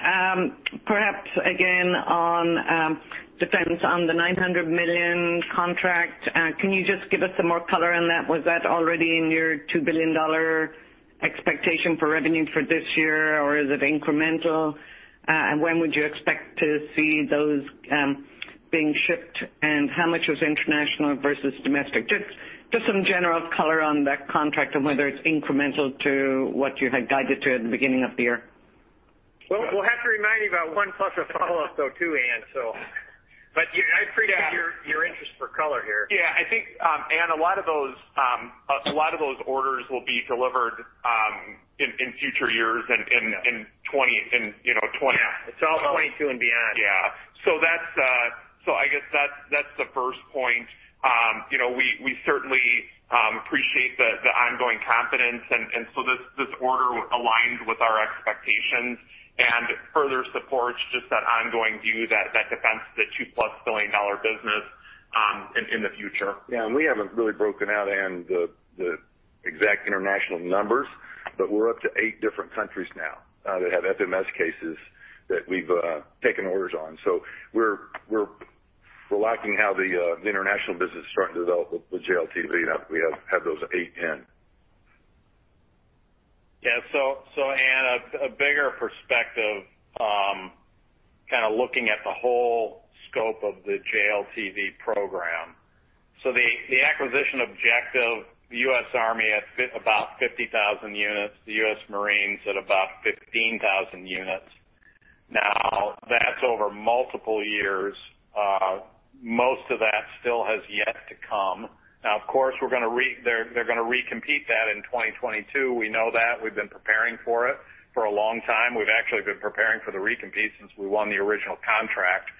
perhaps again on Defense, on the $900 million contract, can you just give us some more color on that? Was that already in your $2 billion expectation for revenue for this year, or is it incremental? When would you expect to see those being shipped, and how much was international versus domestic? Just some general color on that contract and whether it's incremental to what you had guided to at the beginning of the year. Well, we'll have to remind you about one plus or follow up though, too, Ann. I appreciate your interest for color here. Yeah. I think, Ann, a lot of those orders will be delivered in future years in 2022 It's all 2022 and beyond. I guess that's the first point. We certainly appreciate the ongoing confidence. This order aligns with our expectations and further supports just that ongoing view that Defense is a $2+ billion business in the future. We haven't really broken out, Ann, the exact international numbers, but we're up to eight different countries now that have FMS cases that we've taken orders on. We're liking how the international business is starting to develop with JLTV. Now we have those eight in. Yeah. Ann, a bigger perspective, kind of looking at the whole scope of the JLTV program. The acquisition objective, the U.S. Army at about 50,000 units, the U.S. Marines at about 15,000 units. Now, that's over multiple years. Most of that still has yet to come. Now, of course, they're going to recompete that in 2022. We know that. We've been preparing for it for a long time. We've actually been preparing for the recompete since we won the original contract.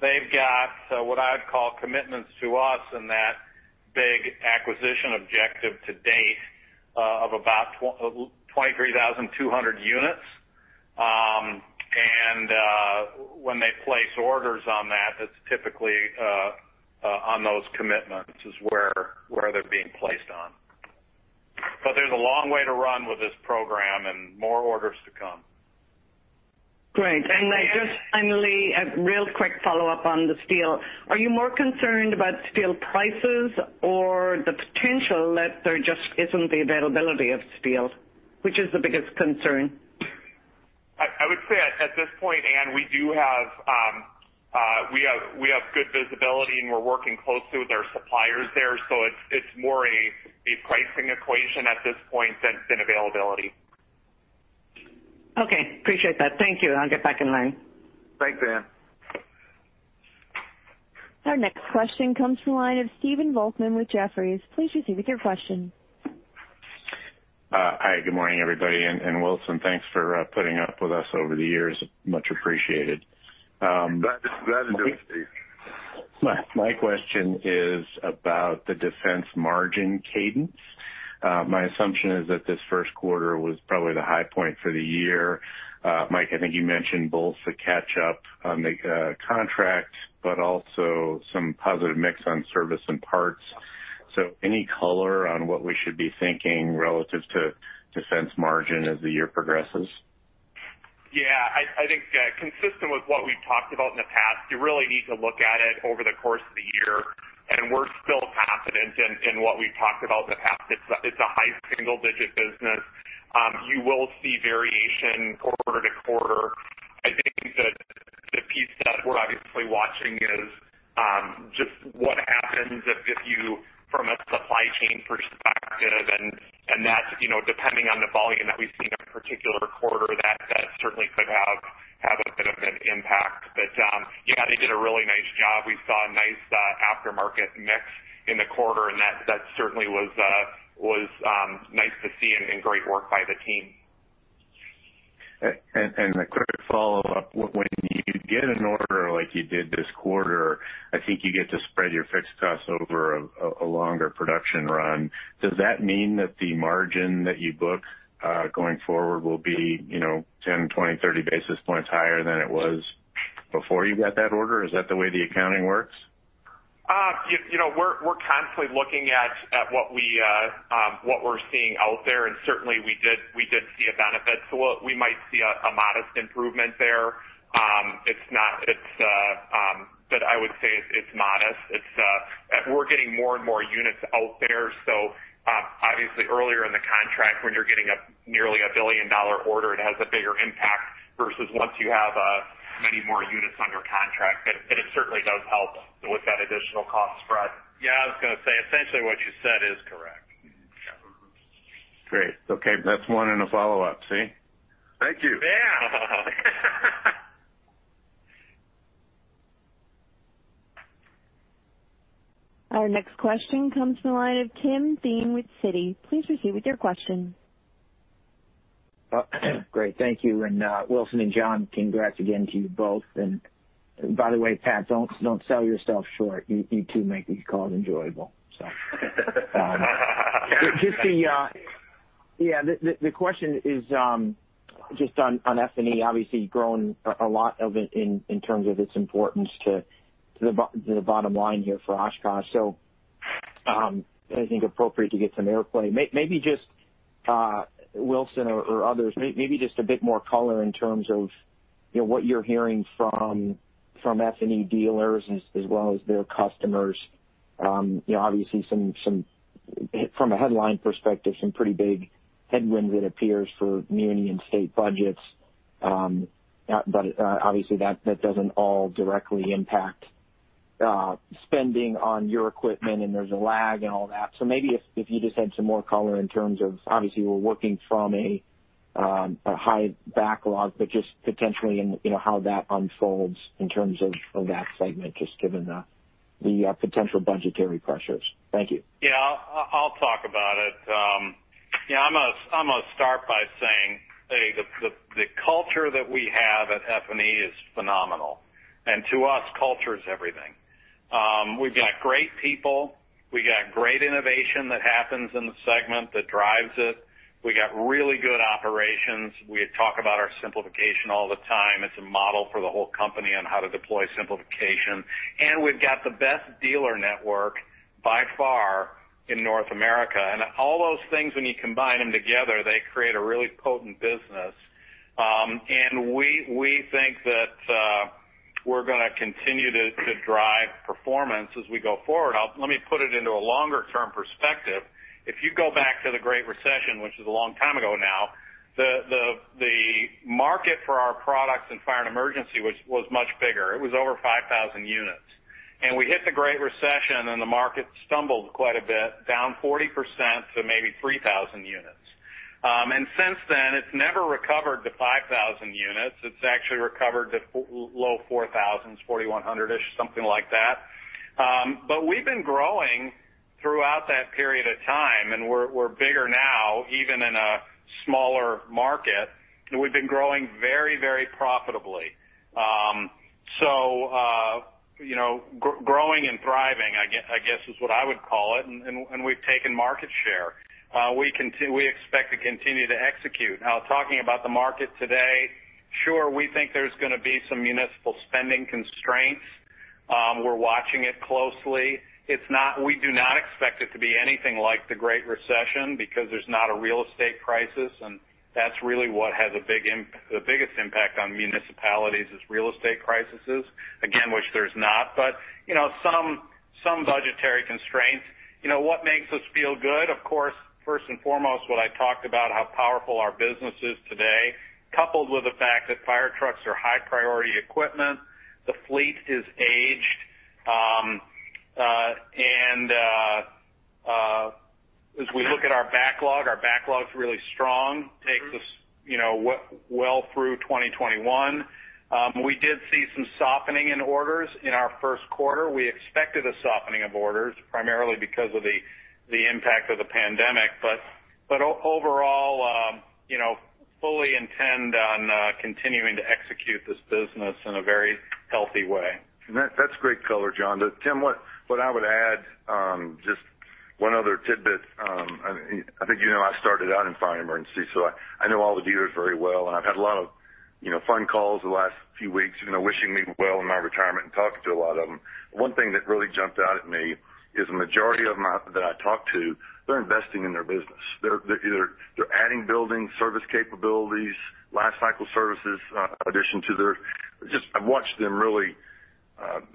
They've got what I'd call commitments to us in that big acquisition objective to date of about 23,200 units. When they place orders on that's typically on those commitments is where they're being placed on. There's a long way to run with this program and more orders to come. Great. Just finally, a real quick follow-up on the steel. Are you more concerned about steel prices or the potential that there just isn't the availability of steel? Which is the biggest concern? I would say at this point, Ann, we have good visibility, and we're working closely with our suppliers there. It's more a pricing equation at this point than availability. Okay. Appreciate that. Thank you. I'll get back in line. Thanks, Ann. Our next question comes from the line of Stephen Volkmann with Jefferies. Please proceed with your question. Hi, good morning, everybody, and Wilson, thanks for putting up with us over the years. Much appreciated. Glad to do it, Steve. My question is about the defense margin cadence. My assumption is that this first quarter was probably the high point for the year. Mike, I think you mentioned both the catch up on the contract, but also some positive mix on service and parts. Any color on what we should be thinking relative to defense margin as the year progresses? Yeah, I think consistent with what we've talked about in the past, you really need to look at it over the course of the year, and we're still confident in what we've talked about in the past. It's a high single-digit business. You will see variation quarter-to-quarter. The piece that we're obviously watching is just what happens if you, from a supply chain perspective, and that depending on the volume that we see in a particular quarter, that certainly could have a bit of an impact. But yeah, they did a really nice job. We saw a nice aftermarket mix in the quarter, and that certainly was nice to see and great work by the team. A quick follow-up. When you get an order like you did this quarter, I think you get to spread your fixed costs over a longer production run. Does that mean that the margin that you book going forward will be 10, 20, or 30 basis points higher than it was before you got that order? Is that the way the accounting works? We're constantly looking at what we're seeing out there, certainly we did see a benefit. We might see a modest improvement there. I would say it's modest. We're getting more and more units out there. Obviously earlier in the contract when you're getting nearly a billion-dollar order, it has a bigger impact versus once you have many more units under contract. It certainly does help with that additional cost spread. Yeah, I was going to say, essentially what you said is correct. Great. Okay. That's one and a follow-up, see? Thank you. Yeah. Our next question comes from the line of Tim Thein with Citi. Please proceed with your question. Great. Thank you. Wilson and John, congrats again to you both. By the way, Pat, don't sell yourself short. You two make these calls enjoyable. The question is just on F&E, obviously grown a lot of it in terms of its importance to the bottom line here for Oshkosh. I think appropriate to get some airplay. Maybe just Wilson or others, maybe just a bit more color in terms of what you're hearing from F&E dealers as well as their customers. Obviously from a headline perspective, some pretty big headwinds it appears for municipal and state budgets. Obviously that doesn't all directly impact spending on your equipment, and there's a lag and all that. Maybe if you just had some more color in terms of, obviously we're working from a high backlog, but just potentially in how that unfolds in terms of that segment, just given the potential budgetary pressures? Thank you. Yeah, I'll talk about it. I'm going to start by saying the culture that we have at F&E is phenomenal. To us, culture is everything. We've got great people. We got great innovation that happens in the segment that drives it. We got really good operations. We talk about our simplification all the time. It's a model for the whole company on how to deploy simplification. We've got the best dealer network by far in North America. All those things, when you combine them together, they create a really potent business. We think that we're going to continue to drive performance as we go forward. Let me put it into a longer-term perspective. If you go back to the Great Recession, which is a long time ago now, the market for our products in fire and emergency was much bigger. It was over 5,000 units. We hit the Great Recession, and the market stumbled quite a bit, down 40% to maybe 3,000 units. Since then, it's never recovered to 5,000 units. It's actually recovered to low 4,000s, 4,100-ish, something like that. We've been growing throughout that period of time, and we're bigger now, even in a smaller market. We've been growing very, very profitably. Growing and thriving, I guess is what I would call it. We've taken market share. We expect to continue to execute. Talking about the market today, sure, we think there's going to be some municipal spending constraints. We're watching it closely. We do not expect it to be anything like the Great Recession because there's not a real estate crisis, and that's really what has the biggest impact on municipalities is real estate crises, again, which there's not. Some budgetary constraints. What makes us feel good? Of course, first and foremost, what I talked about, how powerful our business is today, coupled with the fact that fire trucks are high-priority equipment. The fleet is aged. As we look at our backlog, our backlog's really strong. Takes us well through 2021. We did see some softening in orders in our first quarter. We expected a softening of orders, primarily because of the impact of the pandemic. Overall fully intend on continuing to execute this business in a very healthy way. That's great color, John. Tim, what I would add, just one other tidbit. I think you know I started out in Fire & Emergency, so I know all the dealers very well, and I've had a lot of fun calls the last few weeks, wishing me well in my retirement and talking to a lot of them. One thing that really jumped out at me is the majority of them that I talked to, they're investing in their business. They're adding building service capabilities, life cycle services. I've watched them really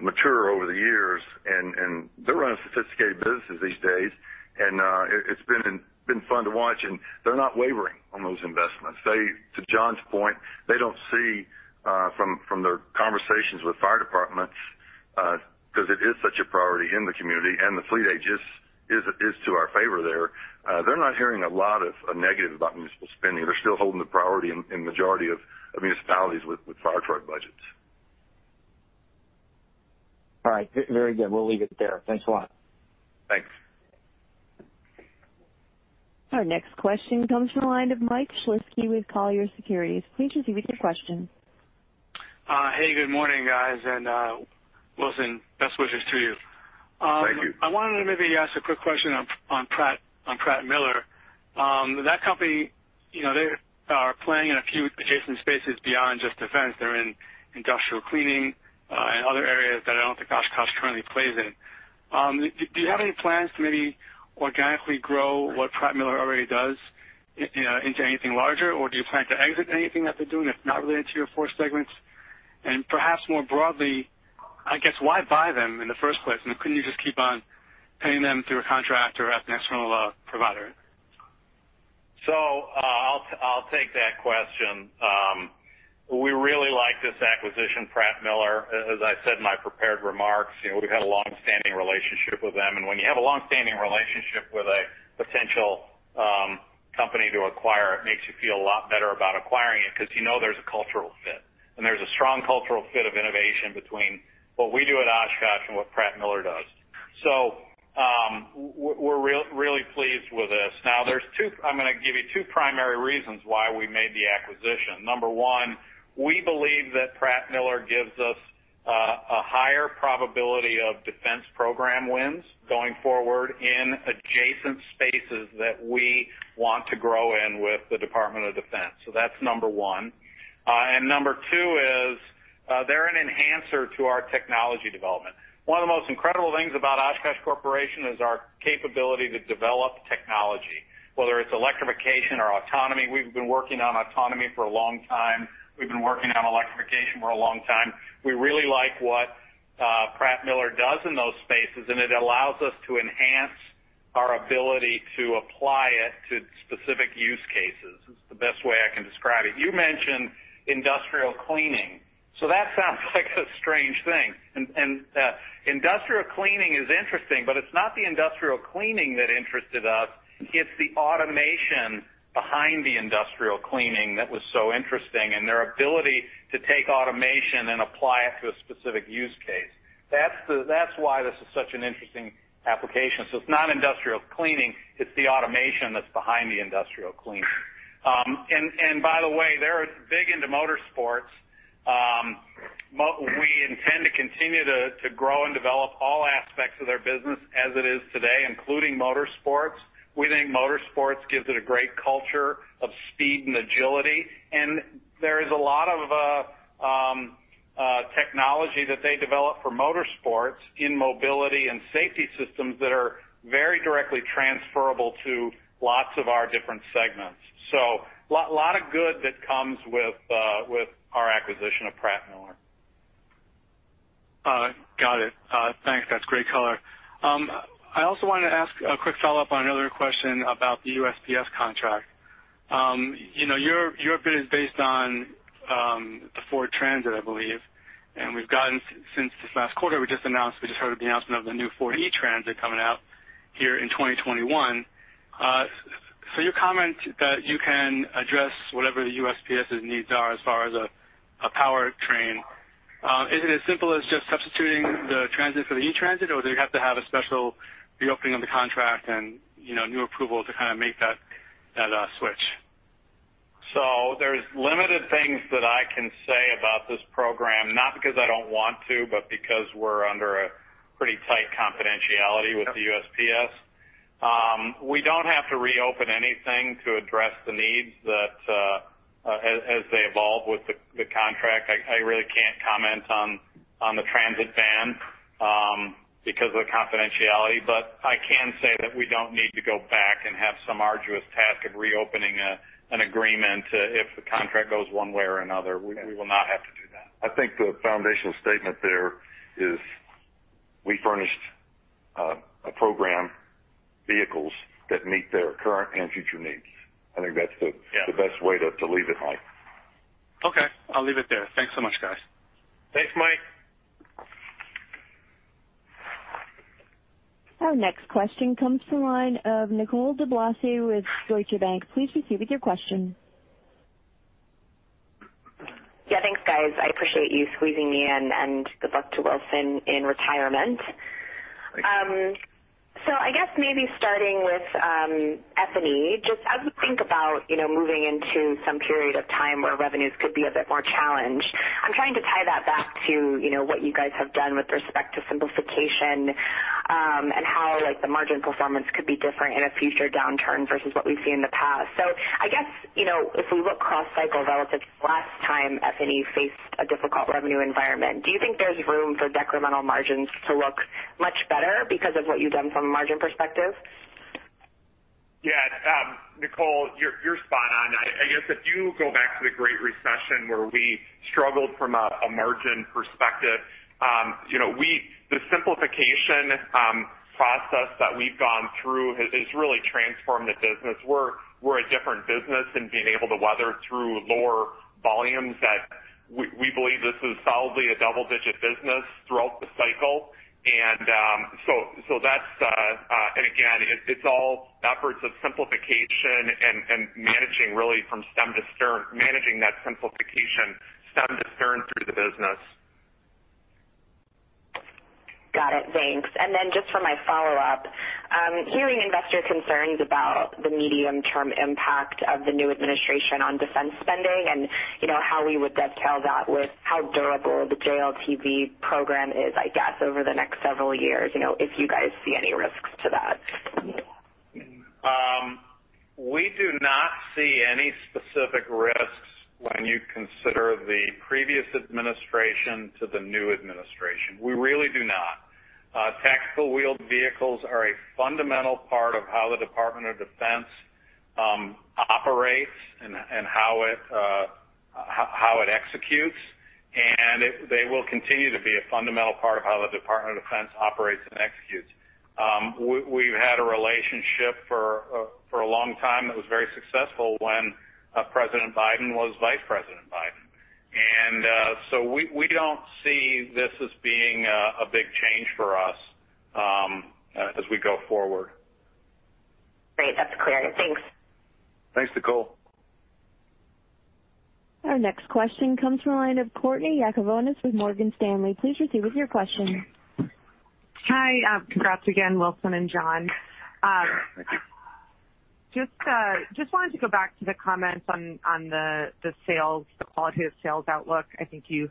mature over the years, and they're running sophisticated businesses these days. It's been fun to watch, they're not wavering on those investments. To John's point, they don't see from their conversations with fire departments, because it is such a priority in the community, and the fleet age is to our favor there. They're not hearing a lot of negative about municipal spending. They're still holding the priority in majority of municipalities with fire truck budgets. All right. Very good. We'll leave it there. Thanks a lot. Thanks. Our next question comes from the line of Mike Shlisky with Colliers Securities. Please proceed with your question. Hey, good morning, guys. Wilson, best wishes to you. Thank you. I wanted to maybe ask a quick question on Pratt Miller. That company, they are playing in a few adjacent spaces beyond just defense. They're in industrial cleaning and other areas that I don't think Oshkosh currently plays in. Do you have any plans to maybe organically grow what Pratt Miller already does into anything larger? Or do you plan to exit anything that they're doing if not related to your four segments? Perhaps more broadly, I guess, why buy them in the first place? Couldn't you just keep on paying them through a contract or as an external provider? I'll take that question. We really like this acquisition, Pratt Miller. As I said in my prepared remarks, we've had a long-standing relationship with them. When you have a long-standing relationship with a potential company to acquire, it makes you feel a lot better about acquiring it, because you know there's a cultural fit. There's a strong cultural fit of innovation between what we do at Oshkosh and what Pratt Miller does. We're really pleased with this. I'm going to give you two primary reasons why we made the acquisition. Number one, we believe that Pratt Miller gives us a higher probability of defense program wins going forward in adjacent spaces that we want to grow in with the Department of Defense. That's number one. Number two is, they're an enhancer to our technology development. One of the most incredible things about Oshkosh Corporation is our capability to develop technology, whether it's electrification or autonomy. We've been working on autonomy for a long time. We've been working on electrification for a long time. We really like what Pratt Miller does in those spaces, and it allows us to enhance our ability to apply it to specific use cases. It's the best way I can describe it. You mentioned industrial cleaning. That sounds like a strange thing, and industrial cleaning is interesting, but it's not the industrial cleaning that interested us. It's the automation behind the industrial cleaning that was so interesting and their ability to take automation and apply it to a specific use case. That's why this is such an interesting application. It's not industrial cleaning, it's the automation that's behind the industrial cleaning. By the way, they're big into motorsports. We intend to continue to grow and develop all aspects of their business as it is today, including motorsports. We think motorsports gives it a great culture of speed and agility, and there is a lot of technology that they develop for motorsports in mobility and safety systems that are very directly transferable to lots of our different segments. A lot of good that comes with our acquisition of Pratt Miller. Got it. Thanks. That's great color. I also wanted to ask a quick follow-up on another question about the USPS contract. Your bid is based on the Ford Transit, I believe, and since this last quarter, we just heard the announcement of the new Ford E-Transit coming out here in 2021. Your comment that you can address whatever the USPS's needs are as far as a powertrain, is it as simple as just substituting the Transit for the E-Transit, or do you have to have a special reopening of the contract and new approval to make that switch? There's limited things that I can say about this program, not because I don't want to, but because we're under a pretty tight confidentiality with the USPS. We don't have to reopen anything to address the needs as they evolve with the contract. I really can't comment on the Transit van because of the confidentiality, but I can say that we don't need to go back and have some arduous task of reopening an agreement if the contract goes one way or another. We will not have to do that. I think the foundational statement there is we furnished a program, vehicles that meet their current and future needs. I think that's the best way to leave it, Mike. Okay. I'll leave it there. Thanks so much, guys. Thanks, Mike. Our next question comes from the line of Nicole DeBlase with Deutsche Bank. Please proceed with your question. Yeah, thanks, guys. I appreciate you squeezing me in, and good luck to Wilson in retirement. Thank you. I guess maybe starting with F&E, just as we think about moving into some period of time where revenues could be a bit more challenged, I'm trying to tie that back to what you guys have done with respect to simplification, and how the margin performance could be different in a future downturn versus what we've seen in the past. I guess, if we look cross cycle relative to last time F&E faced a difficult revenue environment, do you think there's room for decremental margins to look much better because of what you've done from a margin perspective? Yeah. Nicole, you're spot on. I guess if you go back to the Great Recession, where we struggled from a margin perspective, the simplification process that we've gone through has really transformed the business. We're a different business in being able to weather through lower volumes that we believe this is solidly a double-digit business throughout the cycle. Again, it's all efforts of simplification and managing, really, from stem to stern, managing that simplification stem to stern through the business. Got it. Thanks. Just for my follow-up, hearing investor concerns about the medium-term impact of the new administration on defense spending, and how we would dovetail that with how durable the JLTV program is, I guess, over the next several years, if you guys see any risks to that? We do not see any specific risks when you consider the previous administration to the new administration. We really do not. Tactical wheeled vehicles are a fundamental part of how the Department of Defense operates and how it executes. They will continue to be a fundamental part of how the Department of Defense operates and executes. We've had a relationship for a long time that was very successful when President Biden was Vice President Biden. We don't see this as being a big change for us as we go forward. Great. That's clear. Thanks. Thanks, Nicole. Our next question comes from the line of Courtney Yakavonis with Morgan Stanley. Please proceed with your question. Hi. Congrats again, Wilson and John. Just wanted to go back to the comments on the sales, the qualitative sales outlook. I think you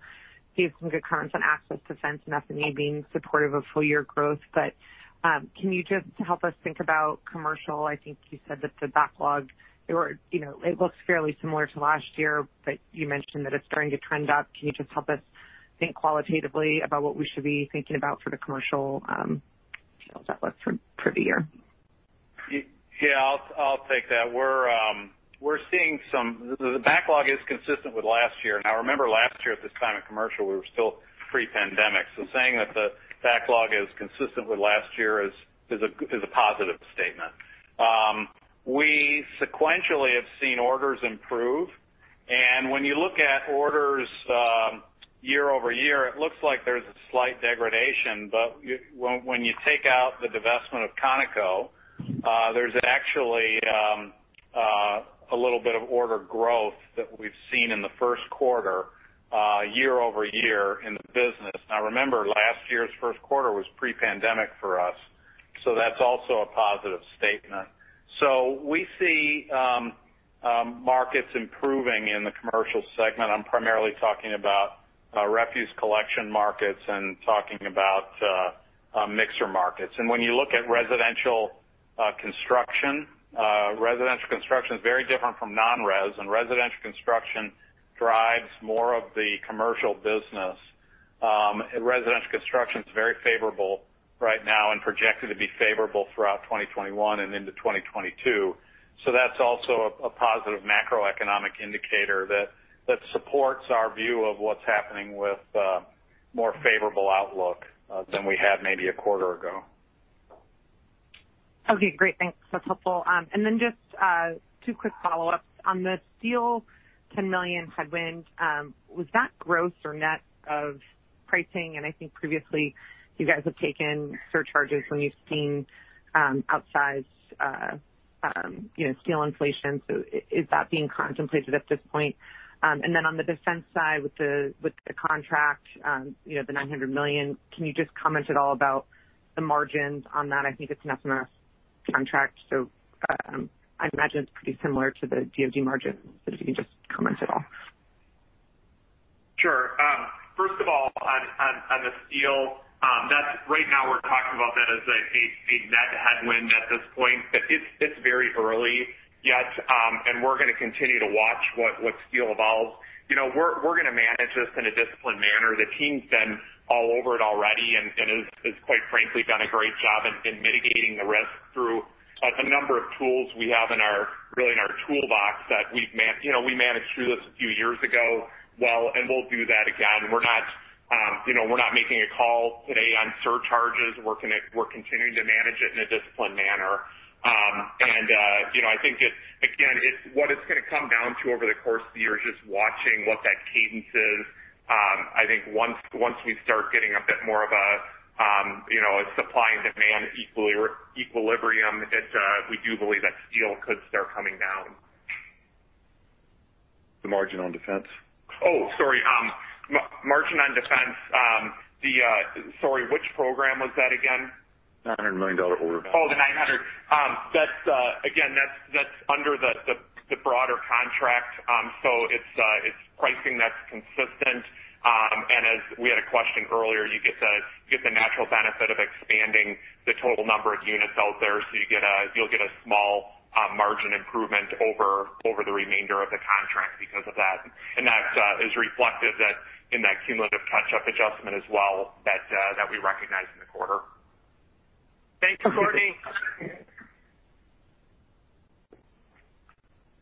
gave some good comments on Access, Defense and F&E being supportive of full year growth. Can you just help us think about commercial? I think you said that the backlog, it looks fairly similar to last year, but you mentioned that it's starting to trend up. Can you just help us think qualitatively about what we should be thinking about for the commercial sales outlook for the year? Yeah, I'll take that. The backlog is consistent with last year. Remember, last year, at this time in commercial, we were still pre-pandemic. Saying that the backlog is consistent with last year is a positive statement. We sequentially have seen orders improve, and when you look at orders year-over-year, it looks like there's a slight degradation. When you take out the divestment of CON-E-CO, there's actually a little bit of order growth that we've seen in the first quarter year-over-year in the business. Remember, last year's first quarter was pre-pandemic for us, That's also a positive statement. We see markets improving in the commercial segment. I'm primarily talking about refuse collection markets and talking about mixer markets. When you look at residential construction, residential construction is very different from non-res, Residential construction drives more of the commercial business. Residential construction's very favorable right now and projected to be favorable throughout 2021 and into 2022. That's also a positive macroeconomic indicator that supports our view of what's happening with a more favorable outlook than we had maybe a quarter ago. Okay, great. Thanks. That's helpful. Just two quick follow-ups. On the steel $10 million headwind, was that gross or net of pricing? I think previously you guys have taken surcharges when you've seen outsized steel inflation. Is that being contemplated at this point? On the defense side, with the contract, the $900 million, can you just comment at all about the margins on that? I think it's an FMS contract, I imagine it's pretty similar to the DOD margin. If you can just comment at all. Sure. First of all, on the steel, right now we're talking about that as a net headwind at this point. It's very early yet, and we're going to continue to watch what steel evolves. We're going to manage this in a disciplined manner. The team's been all over it already and has, quite frankly, done a great job in mitigating the risk through a number of tools we have in our toolbox that we managed through this a few years ago well, and we'll do that again. We're not making a call today on surcharges. We're continuing to manage it in a disciplined manner. I think, again, what it's going to come down to over the course of the year is just watching what that cadence is. I think once we start getting a bit more of a supply and demand equilibrium, we do believe that steel could start coming down. The margin on Defense. Oh, sorry. Margin on defense. Sorry, which program was that again? $900 million order. The $900 million. That's under the broader contract. It's pricing that's consistent. As we had a question earlier, you get the natural benefit of expanding the total number of units out there. You'll get a small margin improvement over the remainder of the contract because of that. That is reflected in that cumulative catch-up adjustment as well that we recognized in the quarter. Thanks, Courtney.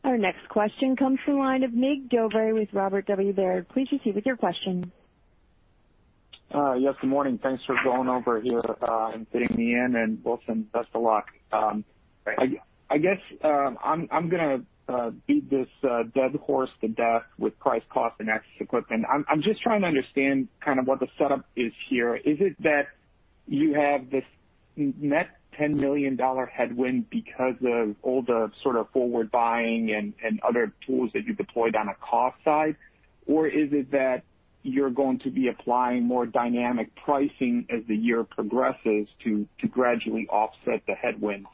Our next question comes from the line of Mig Dobre with Robert W. Baird. Please proceed with your question. Yes, good morning. Thanks for going over here and fitting me in, Wilson, best of luck. Great. I guess I'm going to beat this dead horse to death with price, cost, and access to equipment. I'm just trying to understand kind of what the setup is here. Is it that you have this net $10 million headwind because of all the sort of forward buying and other tools that you deployed on a cost side? Is it that you're going to be applying more dynamic pricing as the year progresses to gradually offset the headwind?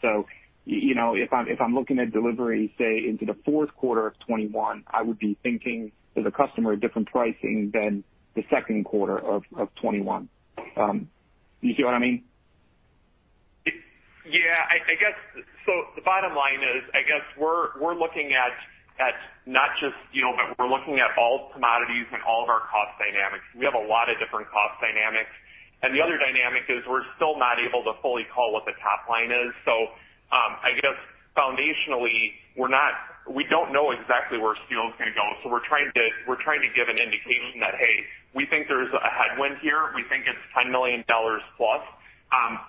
If I'm looking at delivery, say, into the fourth quarter of 2021, I would be thinking as a customer, different pricing than the second quarter of 2021. Do you see what I mean? Yeah. The bottom line is, I guess we're looking at all commodities and all of our cost dynamics. We have a lot of different cost dynamics, and the other dynamic is we're still not able to fully call what the top line is. I guess foundationally, we don't know exactly where steel's going to go. We're trying to give an indication that, hey, we think there's a headwind here. We think it's $10 million+,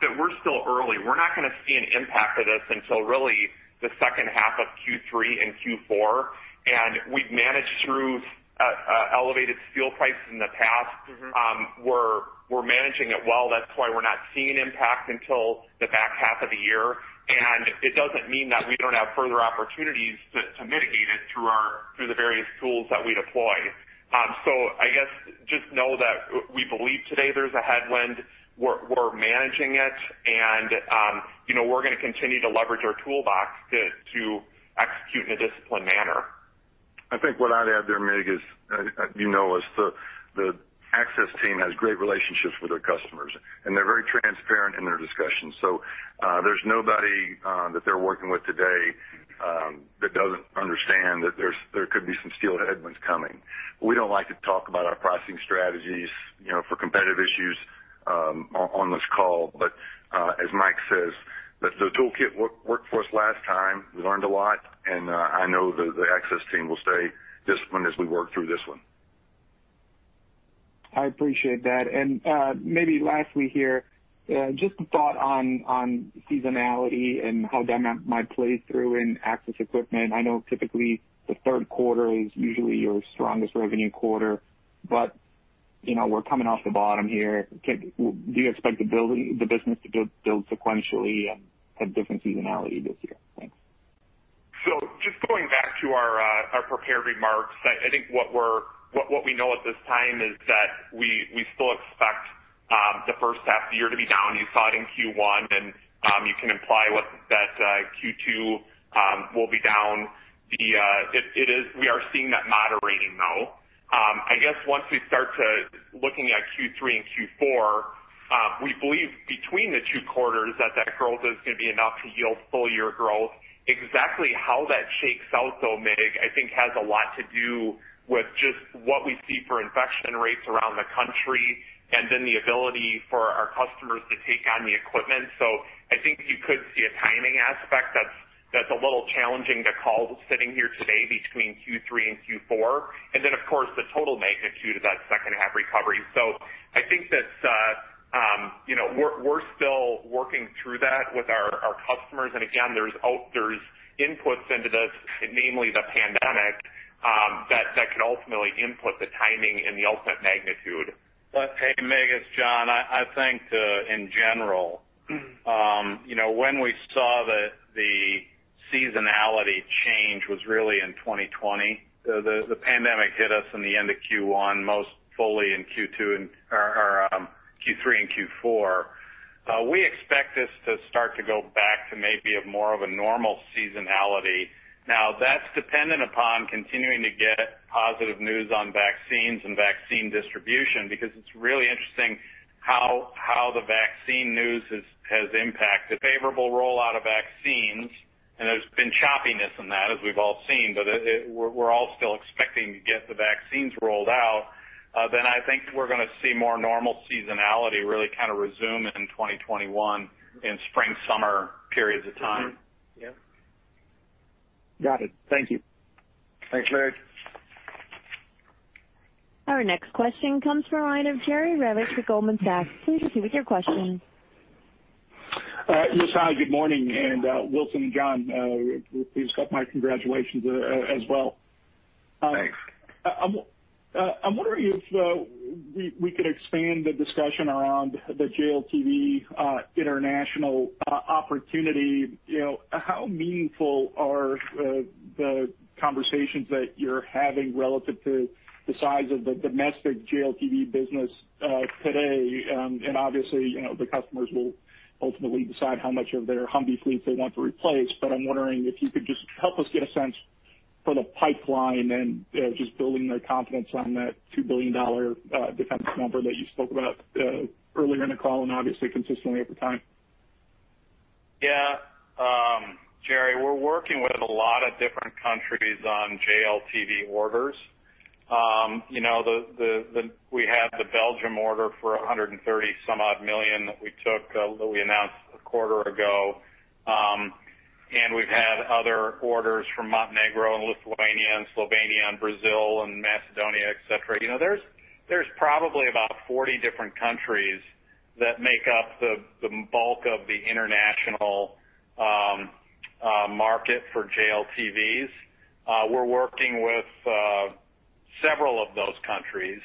but we're still early. We're not going to see an impact of this until really the second half of Q3 and Q4. We've managed through elevated steel prices in the past. We're managing it well. That's why we're not seeing impact until the back half of the year. It doesn't mean that we don't have further opportunities to mitigate it through the various tools that we deploy. I guess just know that we believe today there's a headwind. We're managing it and we're going to continue to leverage our toolbox to execute in a disciplined manner. I think what I'd add there, Mig, is the Access team has great relationships with their customers, and they're very transparent in their discussions. There's nobody that they're working with today that doesn't understand that there could be some steel headwinds coming. We don't like to talk about our pricing strategies for competitive issues on this call. As Mike says, the toolkit worked for us last time. We learned a lot, and I know the Access team will stay disciplined as we work through this one. I appreciate that. Maybe lastly here, just a thought on seasonality and how that might play through in Access Equipment. I know typically the third quarter is usually your strongest revenue quarter, we're coming off the bottom here. Do you expect the business to build sequentially and have different seasonality this year? Thanks. Just going back to our prepared remarks, I think what we know at this time is that we still expect the first half of the year to be down. You saw it in Q1, and you can imply that Q2 will be down. We are seeing that moderating, though. I guess once we start looking at Q3 and Q4, we believe between the two quarters that growth is going to be enough to yield full year growth. Exactly how that shakes out though, Mig, I think has a lot to do with just what we see for infection rates around the country, and then the ability for our customers to take on the equipment. I think you could see a timing aspect that's a little challenging to call sitting here today between Q3 and Q4, and then of course the total magnitude of that second half recovery. I think that we're still working through that with our customers, and again, there's inputs into this, namely the pandemic, that can ultimately input the timing and the ultimate magnitude. Hey, Mig, it's John. I think in general when we saw that the seasonality change was really in 2020. The pandemic hit us in the end of Q1 most fully in Q3 and Q4. We expect this to start to go back to maybe a more of a normal seasonality. That's dependent upon continuing to get positive news on vaccines and vaccine distribution, because it's really interesting how the vaccine news has impacted favorable rollout of vaccines, and there's been choppiness in that, as we've all seen. We're all still expecting to get the vaccines rolled out. I think we're going to see more normal seasonality really kind of resume in 2021 in spring, summer periods of time. Yep. Got it. Thank you. Thanks, Mig. Our next question comes from the line of Jerry Revich with Goldman Sachs. Please proceed with your question. Yes. Hi, good morning. Wilson and John, please accept my congratulations as well. Thanks. I'm wondering if we could expand the discussion around the JLTV international opportunity. How meaningful are the conversations that you're having relative to the size of the domestic JLTV business today? Obviously the customers will ultimately decide how much of their Humvee fleets they want to replace, but I'm wondering if you could just help us get a sense for the pipeline and just building the confidence on that $2 billion defense number that you spoke about earlier in the call, and obviously consistently over time. Yeah. Jerry, we're working with a lot of different countries on JLTV orders. We have the Belgium order for $130 some odd million that we took, that we announced a quarter ago. We've had other orders from Montenegro and Lithuania and Slovenia and Brazil and Macedonia, et cetera. There's probably about 40 different countries that make up the bulk of the international market for JLTVs. We're working with several of those countries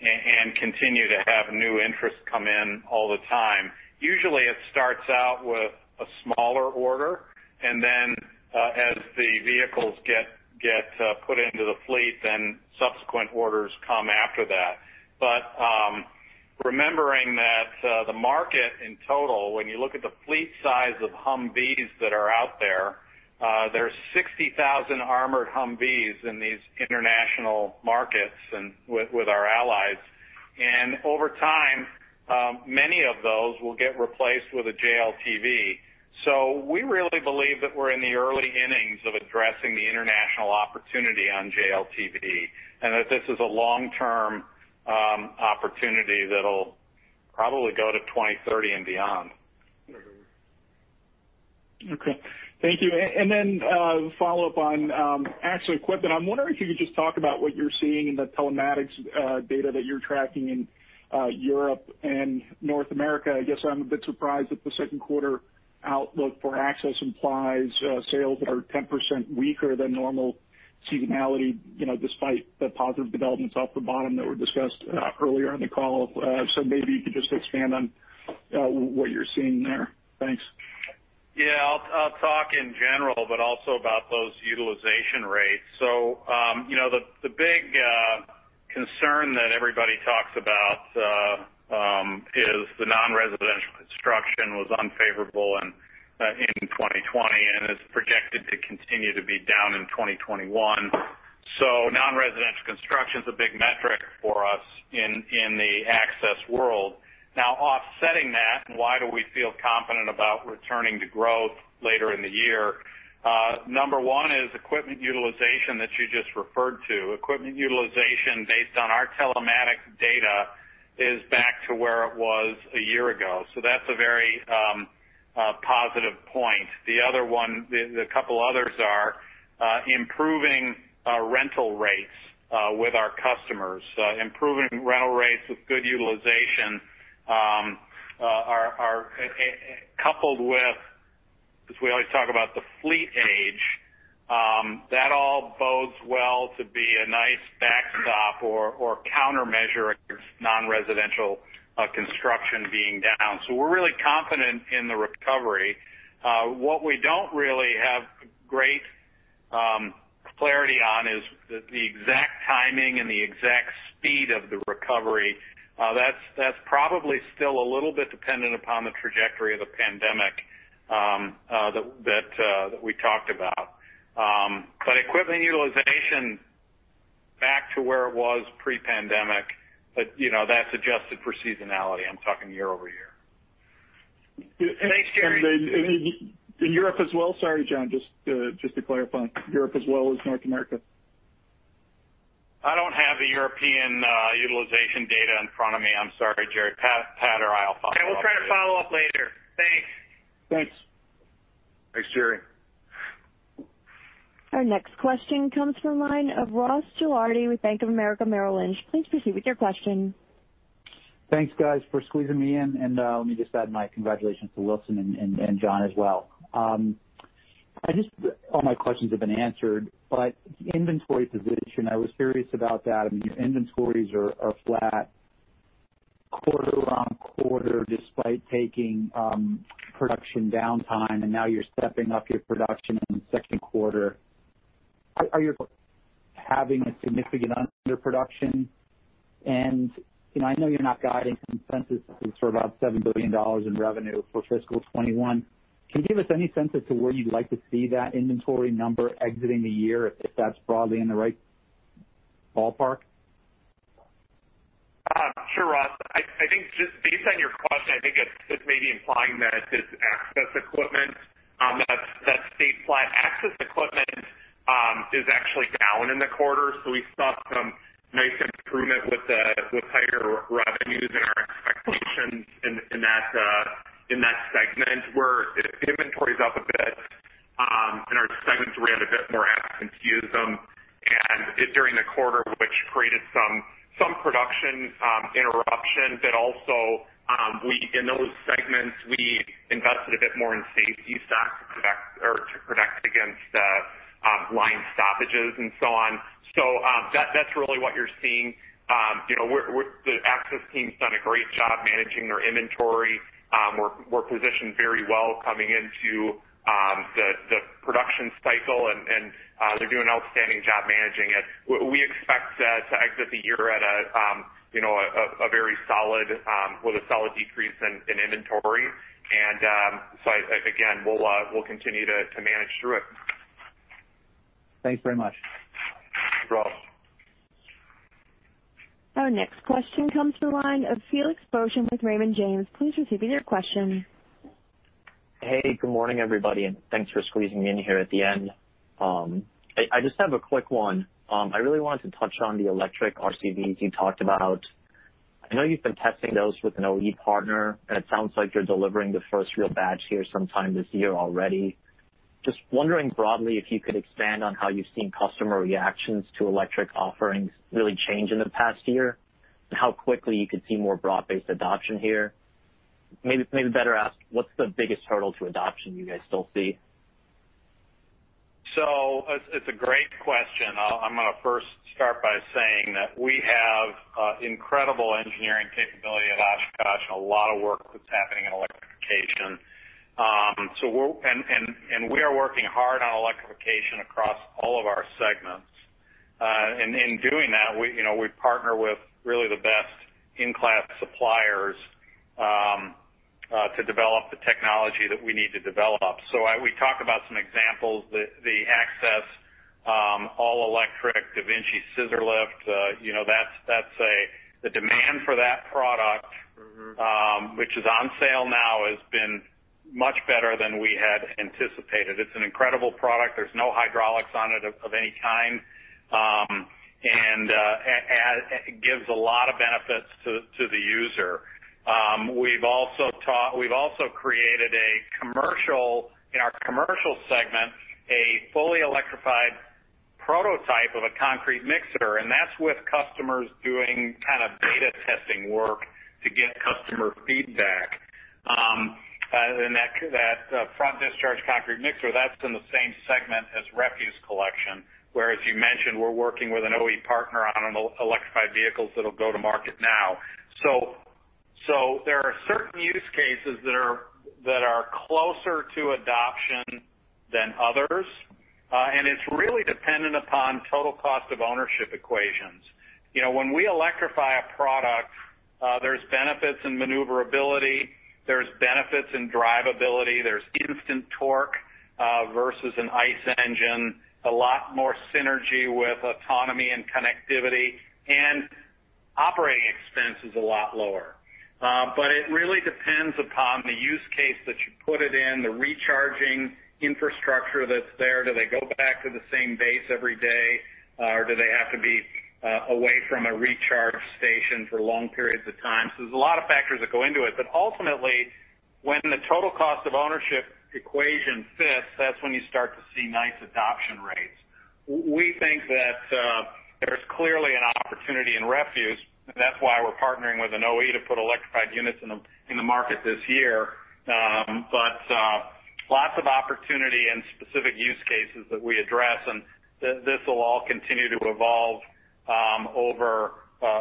and continue to have new interest come in all the time. Usually, it starts out with a smaller order, and then as the vehicles get put into the fleet, then subsequent orders come after that. Remembering that the market in total, when you look at the fleet size of Humvees that are out there's 60,000 armored Humvees in these international markets and with our allies. Over time, many of those will get replaced with a JLTV. We really believe that we're in the early innings of addressing the international opportunity on JLTV, and that this is a long-term opportunity that'll probably go to 2030 and beyond. Okay. Thank you. Follow-up on Access equipment. I'm wondering if you could just talk about what you're seeing in the telematics data that you're tracking in Europe and North America. I guess I'm a bit surprised that the second quarter outlook for Access implies sales that are 10% weaker than normal seasonality, despite the positive developments off the bottom that were discussed earlier in the call. You could just expand on what you're seeing there. Thanks. Yeah. I'll talk in general, but also about those utilization rates. The big concern that everybody talks about is the non-residential construction was unfavorable in 2020, and is projected to continue to be down in 2021. Non-residential construction's a big metric for us in the Access world. Offsetting that, and why do we feel confident about returning to growth later in the year? Number one is equipment utilization that you just referred to. Equipment utilization based on our telematics data is back to where it was a year ago. That's a very positive point. The other one, the couple others are improving our rental rates with our customers. Improving rental rates with good utilization are coupled with, as we always talk about the fleet age, that all bodes well to be a nice backstop or countermeasure against non-residential construction being down. We're really confident in the recovery. What we don't really have great clarity on is the exact timing and the exact speed of the recovery. That's probably still a little bit dependent upon the trajectory of the pandemic that we talked about. Equipment utilization back to where it was pre-pandemic, but that's adjusted for seasonality. I'm talking year-over-year. Thanks, Jerry. In Europe as well? Sorry, John, just to clarify. Europe as well as North America. I don't have the European utilization data in front of me. I'm sorry, Jerry. Pat or I will follow up with you. Okay. We'll try to follow up later. Thanks. Thanks. Thanks, Jerry. Our next question comes from the line of Ross Gilardi with Bank of America Merrill Lynch. Please proceed with your question. Thanks, guys, for squeezing me in. Let me just add my congratulations to Wilson and John as well. All my questions have been answered, the inventory position, I was curious about that. I mean, your inventories are flat quarter on quarter despite taking production downtime, now you're stepping up your production in the second quarter. Are you having a significant underproduction? I know you're not guiding consensus for about $7 billion in revenue for fiscal 2021. Can you give us any sense as to where you'd like to see that inventory number exiting the year, if that's broadly in the right ballpark? Sure, Ross. Based on your question, I think it's just maybe implying that it's Access equipment that stayed flat. Access equipment is actually down in the quarter. We saw some nice improvement with higher revenues and our expectations in that segment, where inventory's up a bit in our segments where we had a bit more absenteeism. During the quarter, which created some production interruption. Also, in those segments, we invested a bit more in safety stock to protect against line stoppages and so on. That's really what you're seeing. The Access team's done a great job managing their inventory. We're positioned very well coming into the production cycle, and they're doing an outstanding job managing it. We expect to exit the year with a solid decrease in inventory. Again, we'll continue to manage through it. Thanks very much. <audio distortion> Our next question comes from the line of Felix Boeschen with Raymond James. Please proceed with your question. Hey, good morning, everybody, and thanks for squeezing me in here at the end. I just have a quick one. I really wanted to touch on the electric RCVs you talked about. I know you've been testing those with an OE partner, and it sounds like you're delivering the first real batch here sometime this year already. Just wondering broadly if you could expand on how you've seen customer reactions to electric offerings really change in the past year, and how quickly you could see more broad-based adoption here. Maybe better asked, what's the biggest hurdle to adoption you guys still see? It's a great question. I'm going to first start by saying that we have incredible engineering capability at Oshkosh and a lot of work that's happening in electrification. We are working hard on electrification across all of our segments. In doing that, we partner with really the best-in-class suppliers to develop the technology that we need to develop. We talk about some examples, the Access all-electric DaVinci scissor lift. The demand for that product, which is on sale now, has been much better than we had anticipated. It's an incredible product. There's no hydraulics on it of any kind. It gives a lot of benefits to the user. We've also created, in our Commercial Segment, a fully electrified prototype of a concrete mixer, and that's with customers doing data testing work to get customer feedback. That front discharge concrete mixer, that's in the same segment as Refuse Collection, where, as you mentioned, we're working with an OEM partner on electrified vehicles that'll go to market now. There are certain use cases that are closer to adoption than others. It's really dependent upon total cost of ownership equations. When we electrify a product, there's benefits in maneuverability, there's benefits in drivability, there's instant torque versus an ICE engine, a lot more synergy with autonomy and connectivity, and operating expense is a lot lower. It really depends upon the use case that you put it in, the recharging infrastructure that's there. Do they go back to the same base every day, or do they have to be away from a recharge station for long periods of time? There's a lot of factors that go into it. Ultimately, when the total cost of ownership equation fits, that's when you start to see nice adoption rates. We think that there's clearly an opportunity in refuse, and that's why we're partnering with an OE to put electrified units in the market this year. Lots of opportunity and specific use cases that we address, and this will all continue to evolve over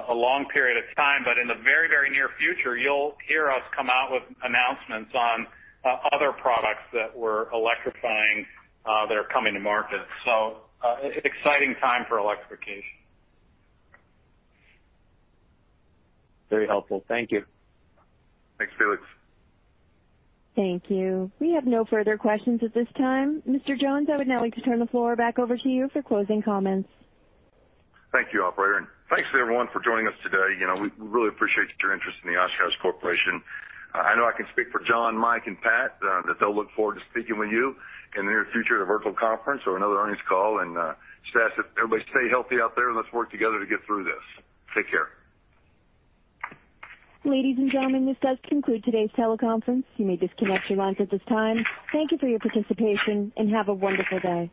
a long period of time. In the very near future, you'll hear us come out with announcements on other products that we're electrifying that are coming to market. Exciting time for electrification. Very helpful. Thank you. Thanks, Felix. Thank you. We have no further questions at this time. Mr. Jones, I would now like to turn the floor back over to you for closing comments. Thank you, operator. Thanks to everyone for joining us today. We really appreciate your interest in the Oshkosh Corporation. I know I can speak for John, Mike, and Pat, that they'll look forward to speaking with you in the near future at a virtual conference or another earnings call. Just ask that everybody stay healthy out there, and let's work together to get through this. Take care. Ladies and gentlemen, this does conclude today's teleconference. You may disconnect your lines at this time. Thank you for your participation, and have a wonderful day.